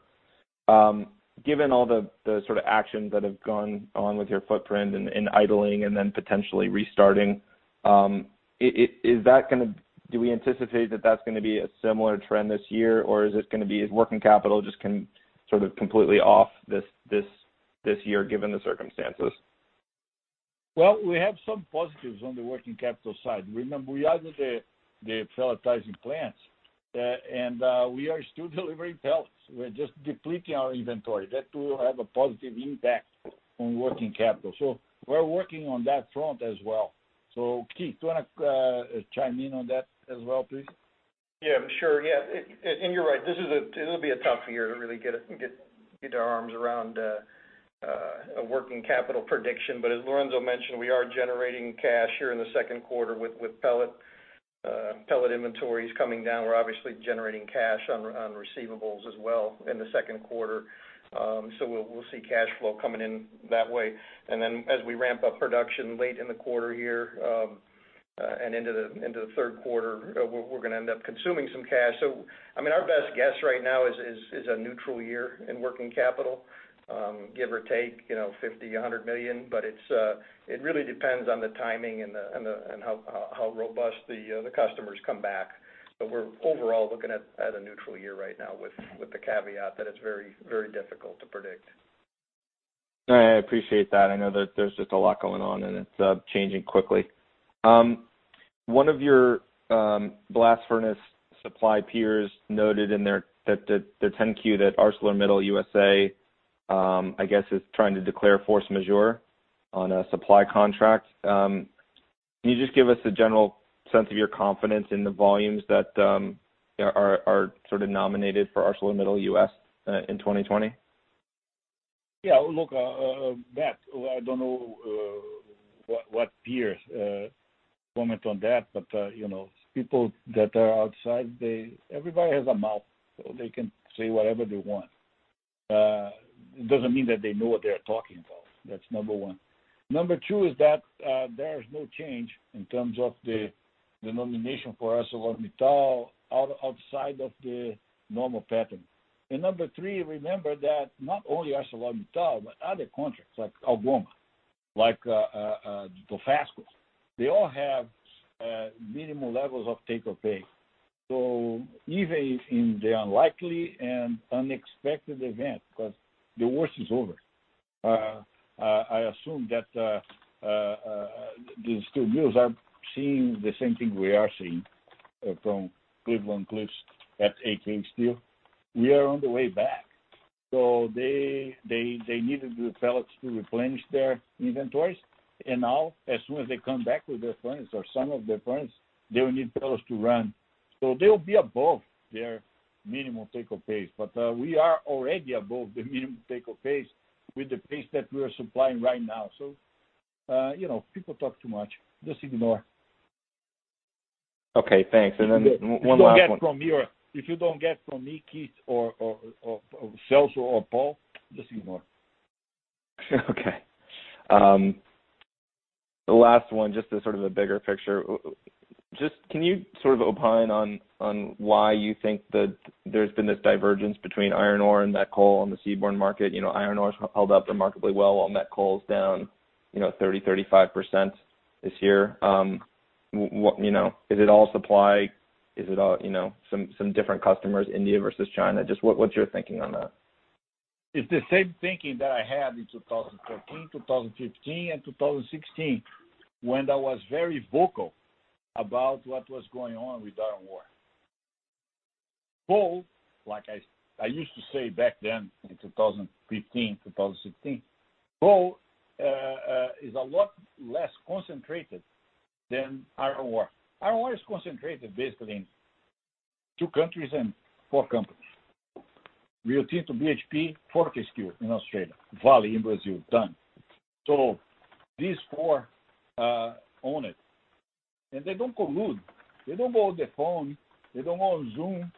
Given all the sort of actions that have gone on with your footprint and idling and then potentially restarting, do we anticipate that that's going to be a similar trend this year, or is it going to be working capital just sort of completely off this year, given the circumstances? Well, we have some positives on the working capital side. Remember, we added the pelletizing plants, and we are still delivering pellets. We're just depleting our inventory. That will have a positive impact on working capital. We're working on that front as well. Keith, do you want to chime in on that as well, please? Yeah, sure. You're right, it'll be a tough year to really get our arms around a working capital prediction. As Lourenco mentioned, we are generating cash here in the second quarter with pellet inventories coming down. We'll see cash flow coming in that way. Then as we ramp up production late in the quarter here, and into the third quarter, we're going to end up consuming some cash. Our best guess right now is a neutral year in working capital, give or take $50 million, $100 million. It really depends on the timing and how robust the customers come back. We're overall looking at a neutral year right now with the caveat that it's very difficult to predict. No, I appreciate that. I know that there's just a lot going on, and it's changing quickly. One of your blast furnace supply peers noted in their 10-Q that ArcelorMittal USA, I guess, is trying to declare force majeure on a supply contract. Can you just give us a general sense of your confidence in the volumes that are sort of nominated for ArcelorMittal in 2020? Yeah, look, Matt, I don't know what peers comment on that. People that are outside, everybody has a mouth, so they can say whatever they want. It doesn't mean that they know what they're talking about. That's number one. Number two is that there is no change in terms of the nomination for ArcelorMittal outside of the normal pattern. Number three, remember that not only ArcelorMittal, but other contracts, like Algoma, like Dofasco, they all have minimum levels of take or pay. Even in the unlikely and unexpected event, because the worst is over, I assume that the steel mills are seeing the same thing we are seeing from Cleveland-Cliffs at AK Steel. We are on the way back. They needed the pellets to replenish their inventories, and now, as soon as they come back with their furnace or some of their furnace, they will need pellets to run. They will be above their minimum take-or-pay. We are already above the minimum take-or-pay with the pace that we are supplying right now. People talk too much, just ignore. Okay, thanks. One last one. If you don't get from me, Keith, or Celso, or Paul, just ignore. Okay. The last one, just as sort of a bigger picture. Just can you sort of opine on why you think that there's been this divergence between iron ore and met coal on the seaborne market? Iron ore has held up remarkably well while met coal is down 30%, 35% this year. Is it all supply? Is it some different customers, India versus China? Just what's your thinking on that? It's the same thinking that I had in 2014, 2015, and 2016 when I was very vocal about what was going on with iron ore. Coal, like I used to say back then in 2015, 2016, coal is a lot less concentrated than iron ore. Iron ore is concentrated basically in two countries and four companies. Rio Tinto, BHP, Fortescue in Australia, Vale in Brazil. Done. These four own it, and they don't collude. They don't go on the phone. They don't go on Zoom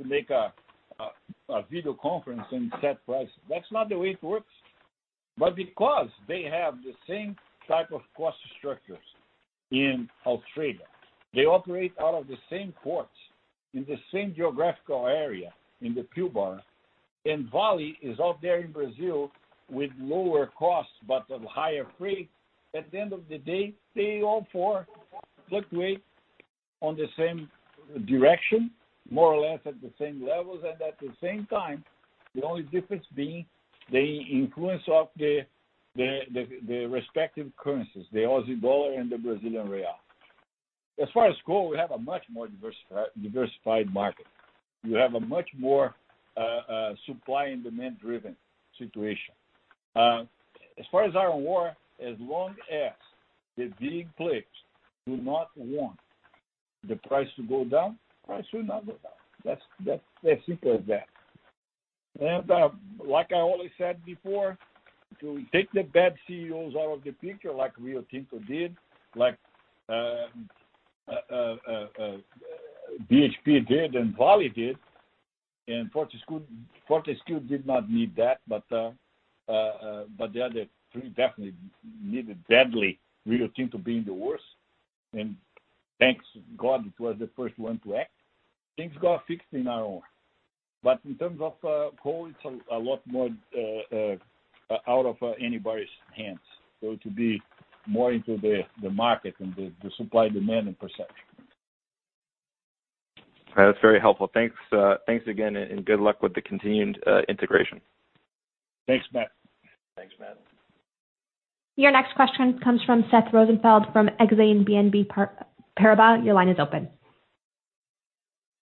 to make a video conference and set prices. That's not the way it works. Because they have the same type of cost structures in Australia, they operate out of the same ports in the same geographical area, in the Pilbara, and Vale is out there in Brazil with lower costs, but of higher freight. At the end of the day, they all four fluctuate on the same direction, more or less at the same levels, and at the same time. The only difference being the influence of their respective currencies, the Aussie dollar and the Brazilian real. As far as coal, we have a much more diversified market. You have a much more supply and demand driven situation. As far as iron ore, as long as Cleveland-Cliffs do not want the price to go down, price will not go down. That's as simple as that. Like I always said before, to take the bad CEOs out of the picture like Rio Tinto did, like BHP did, and Vale did, and Fortescue did not need that, but the other three definitely needed badly. Rio Tinto being the worst, and thank God it was the first one to act. Things got fixed in iron ore. In terms of coal, it's a lot more out of anybody's hands, to be more into the market and the supply, demand, and perception. That's very helpful. Thanks again, and good luck with the continued integration. Thanks, Matt. Thanks, Matt. Your next question comes from Seth Rosenfeld from Exane BNP Paribas. Your line is open.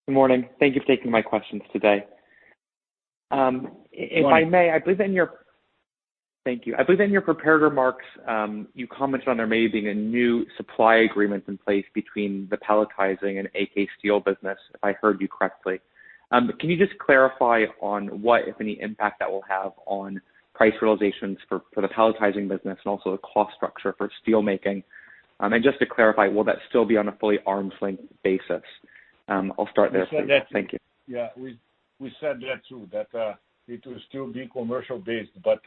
Good morning, thank you for taking my questions today. Good morning. Thank you. I believe in your prepared remarks, you commented on there may be a new supply agreement in place between the pelletizing and AK Steel business, if I heard you correctly. Can you just clarify on what, if any, impact that will have on price realizations for the pelletizing business and also the cost structure for steel making? Just to clarify, will that still be on a fully arm's length basis? I'll start there. We said that too. Thank you. We said that too, that it will still be commercial based, but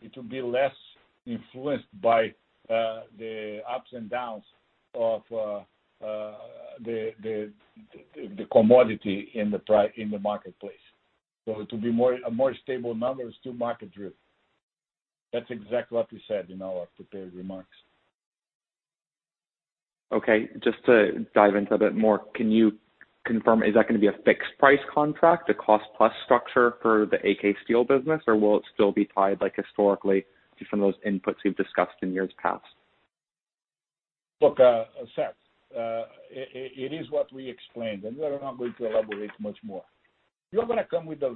it will be less influenced by the ups and downs of the commodity in the marketplace. It will be a more stable number, still market driven. That's exactly what we said in our prepared remarks. Okay. Just to dive into a bit more, can you confirm, is that going to be a fixed price contract, a cost-plus structure for the AK Steel business, or will it still be tied like historically to some of those inputs you've discussed in years past? Look, Seth, it is what we explained, and we are not going to elaborate much more. You're going to come with a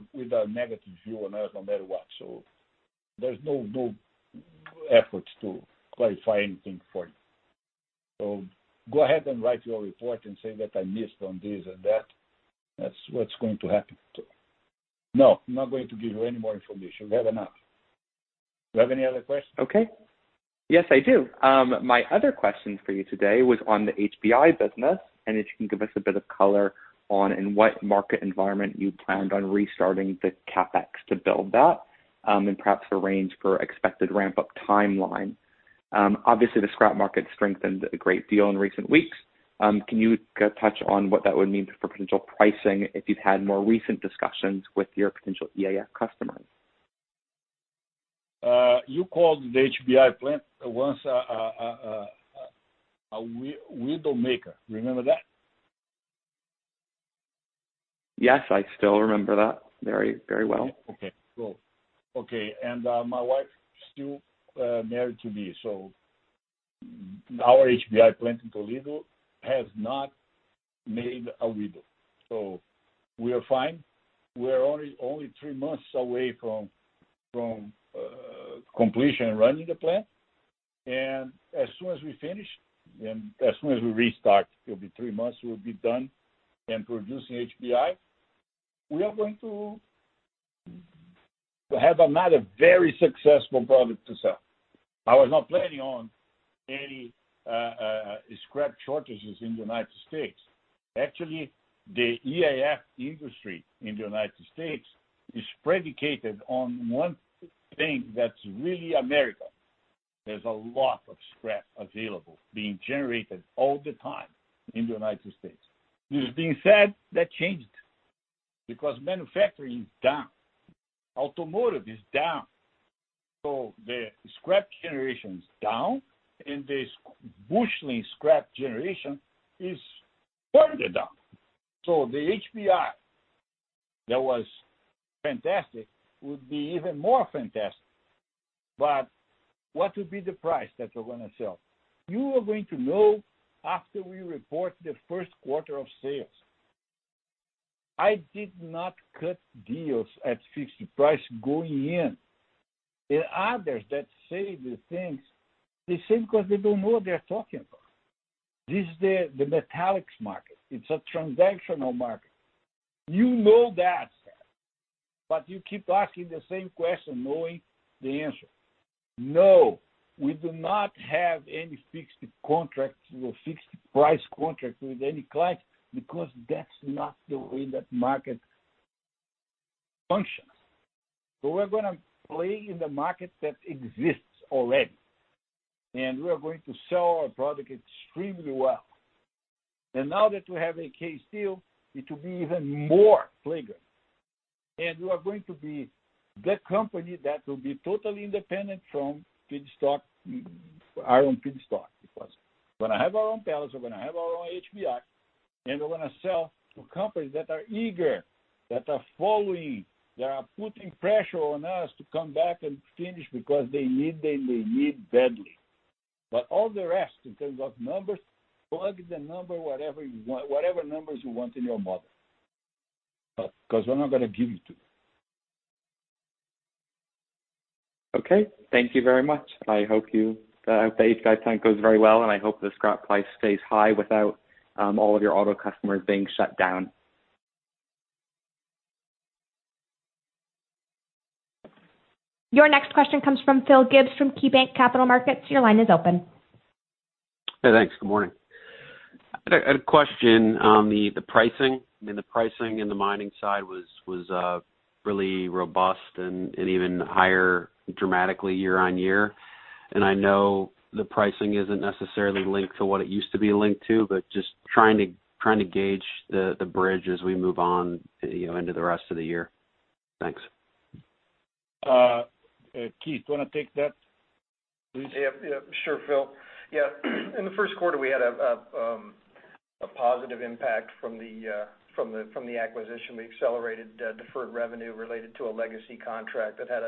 negative view on us no matter what, so there's no efforts to clarify anything for you. Go ahead and write your report and say that I missed on this and that. That's what's going to happen. No, I'm not going to give you any more information. We have enough. Do you have any other questions? Okay. Yes, I do. My other question for you today was on the HBI business, and if you can give us a bit of color on in what market environment you planned on restarting the CapEx to build that, and perhaps a range for expected ramp-up timeline. Obviously, the scrap market strengthened a great deal in recent weeks. Can you touch on what that would mean for potential pricing if you've had more recent discussions with your potential EAF customers? You called the HBI plant once a widow maker. Remember that? Yes, I still remember that very well. Okay, cool. Okay. My wife's still married to me, so our HBI plant in Toledo has not made a widow. We are fine. We are only three months away from completion and running the plant. As soon as we finish and as soon as we restart, it'll be three months, we'll be done and producing HBI. We are going to have another very successful product to sell. I was not planning on any scrap shortages in the U.S. Actually, the EAF industry in the U.S. is predicated on one thing that's really America. There's a lot of scrap available, being generated all the time in the U.S. This being said, that changed because manufacturing is down, automotive is down. The scrap generation is down, and this busheling scrap generation is further down. The HBI that was fantastic would be even more fantastic. What would be the price that we're going to sell? You are going to know after we report the first quarter of sales. I did not cut deals at fixed price going in. There are others that say these things the same because they don't know what they're talking about. This is the metallics market. It's a transactional market, you know that. You keep asking the same question, knowing the answer. No, we do not have any fixed contracts or fixed price contracts with any clients because that's not the way that market functions. We're going to play in the market that exists already, and we are going to sell our product extremely well. Now that we have AK Steel, it will be even more playground. We are going to be the company that will be totally independent from iron feedstock. We're going to have our own pellets, we're going to have our own HBI, and we're going to sell to companies that are eager, that are following, that are putting pressure on us to come back and finish because they need them, they need badly. All the rest, in terms of numbers, plug the number, whatever numbers you want in your model. Of course, we're not going to give it to you. Okay, thank you very much. I hope the HBI plant goes very well, and I hope the scrap price stays high without all of your auto customers being shut down. Your next question comes from Phil Gibbs from KeyBanc Capital Markets. Your line is open. Hey, thanks. Good morning. I had a question on the pricing. The pricing in the mining side was really robust and even higher dramatically year-over-year. I know the pricing isn't necessarily linked to what it used to be linked to, but just trying to gauge the bridge as we move on into the rest of the year. Thanks. Keith, you want to take that, please? Yep. Sure, Phil. In the first quarter, we had a positive impact from the acquisition. We accelerated deferred revenue related to a legacy contract that had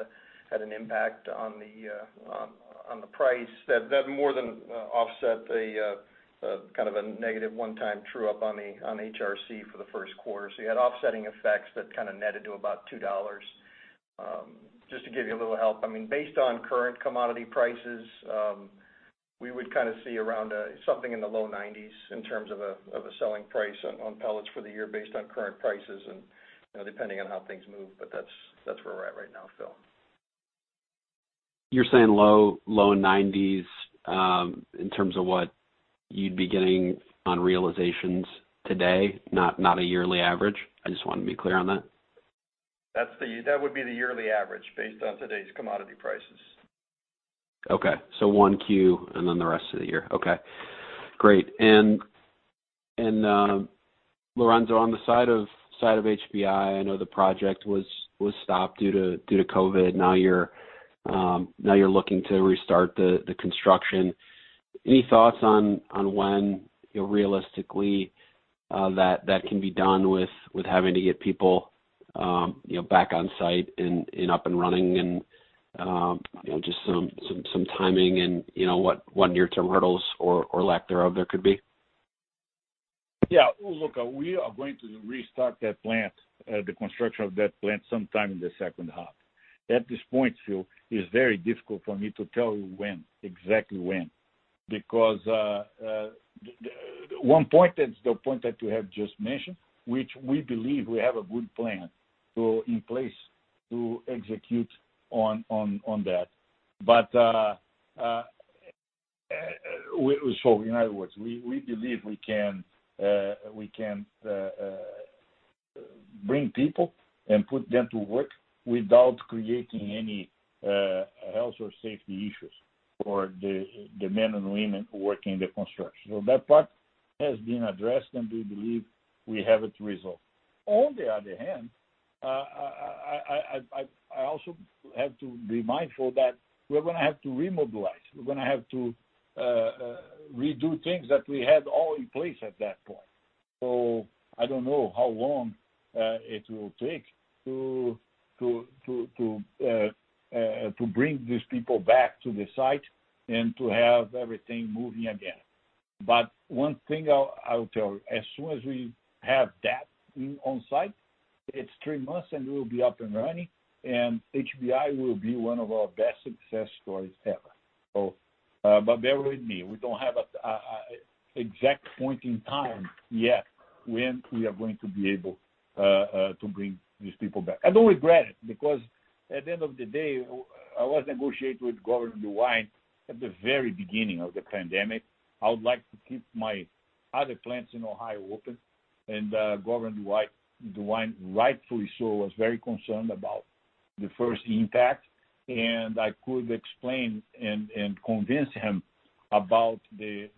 an impact on the price. That more than offset the negative one-time true-up on HRC for the first quarter. You had offsetting effects that kind of netted to about $2, just to give you a little help. Based on current commodity prices, we would kind of see around something in the low $90s in terms of a selling price on pellets for the year based on current prices and depending on how things move. That's where we're at right now, Phil. You're saying low $90s, in terms of what you'd be getting on realizations today, not a yearly average? I just want to be clear on that. That would be the yearly average based on today's commodity prices. Okay, 1Q and then the rest of the year. Okay, great. Lourenco, on the side of HBI, I know the project was stopped due to COVID. You're looking to restart the construction. Any thoughts on when realistically that can be done with having to get people back on site and up and running and just some timing and what near-term hurdles or lack thereof there could be? Yeah. Look, we are going to restart that plant, the construction of that plant, sometime in the second half. At this point, Phil, it's very difficult for me to tell you when, exactly when, because one point is the point that you have just mentioned, which we believe we have a good plan in place to execute on that. In other words, we believe we can bring people and put them to work without creating any health or safety issues for the men and women working the construction. That part has been addressed, and we believe we have it resolved. On the other hand, I also have to be mindful that we're going to have to remobilize. We're going to have to redo things that we had all in place at that point. I don't know how long it will take to bring these people back to the site and to have everything moving again. One thing I will tell you, as soon as we have that on site, it's three months, and we will be up and running, and HBI will be one of our best success stories ever. Bear with me, we don't have an exact point in time yet when we are going to be able to bring these people back. I don't regret it, because at the end of the day, I was negotiating with Governor DeWine at the very beginning of the pandemic. I would like to keep my other plants in Ohio open, Governor DeWine, rightfully so, was very concerned about the first impact. I could explain and convince him about the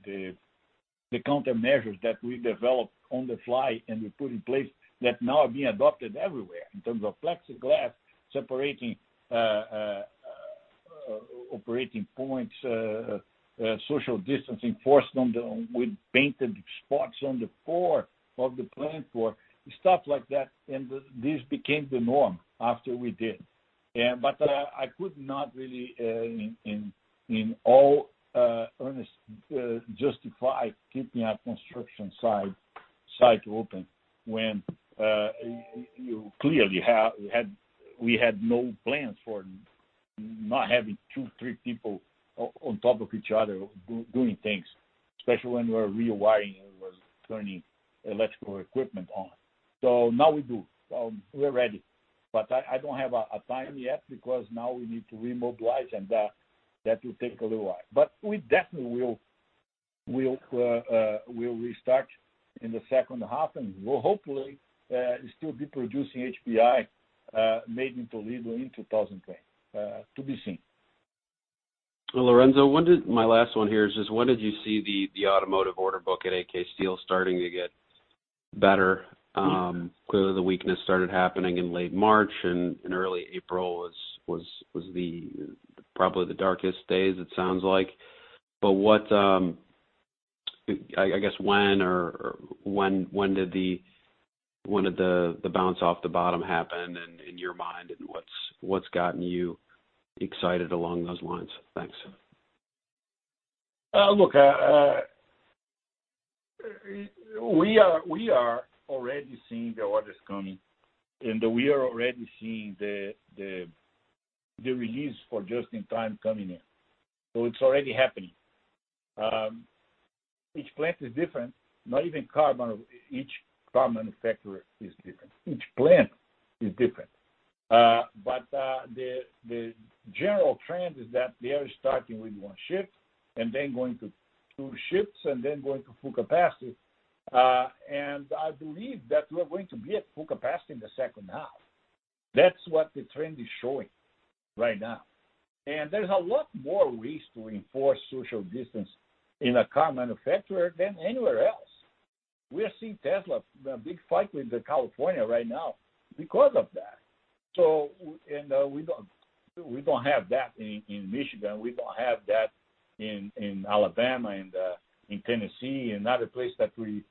countermeasures that we developed on the fly, and we put in place that now are being adopted everywhere, in terms of plexiglass, separating operating points, social distancing enforcement with painted spots on the floor of the plant floor, stuff like that. This became the norm after we did. I could not really, in all earnest, justify keeping our construction site open when clearly we had no plans for not having two, three people on top of each other doing things, especially when we were rewiring and we were turning electrical equipment on. Now we do, we're ready. I don't have a time yet, because now we need to remobilize, and that will take a little while. We definitely will restart in the second half, and we'll hopefully still be producing HBI made in Toledo in 2020 to be seen. Well, Lourenco, my last one here is just when did you see the automotive order book at AK Steel starting to get better? Clearly the weakness started happening in late March, and early April was probably the darkest days it sounds like. I guess, when did the bounce off the bottom happen in your mind, and what's gotten you excited along those lines? Thanks. Look, we are already seeing the orders coming, and we are already seeing the release for just-in-time coming in. It's already happening. Each plant is different, not even car manufacturer is different. Each plant is different. The general trend is that they are starting with one shift, and then going to two shifts, and then going to full capacity. I believe that we're going to be at full capacity in the second half. That's what the trend is showing right now. There's a lot more ways to enforce social distance in a car manufacturer than anywhere else. We are seeing Tesla, a big fight with California right now because of that. We don't have that in Michigan. We don't have that in Alabama, in Tennessee, and other places that we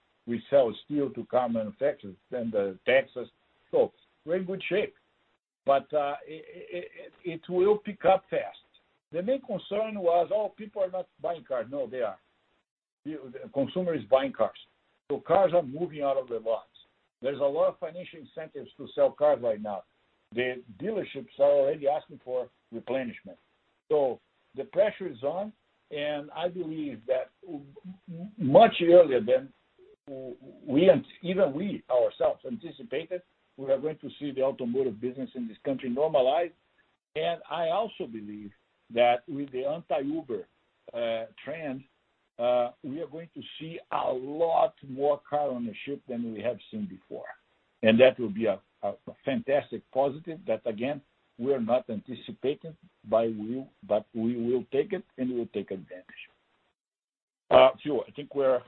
sell steel to car manufacturers than Texas. We're in good shape. It will pick up fast. The main concern was, oh, people are not buying cars. No, they are. Consumer is buying cars. Cars are moving out of the lots. There's a lot of financial incentives to sell cars right now. The dealerships are already asking for replenishment. The pressure is on, and I believe that much earlier than even we ourselves anticipated, we are going to see the automotive business in this country normalize. I also believe that with the anti-Uber trend, we are going to see a lot more car ownership than we have seen before, and that will be a fantastic positive that, again, we're not anticipating, but we will take it, and we will take advantage. Sure, I think we are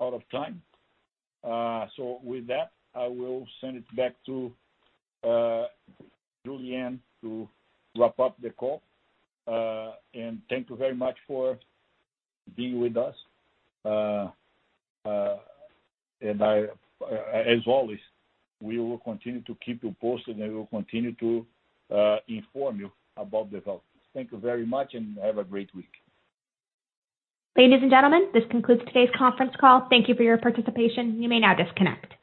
out of time, and with that, I will send it back to Julianne to wrap up the call. Thank you very much for being with us. As always, we will continue to keep you posted, and we will continue to inform you about developments. Thank you very much, and have a great week. Ladies and gentlemen, this concludes today's conference call. Thank you for your participation. You may now disconnect.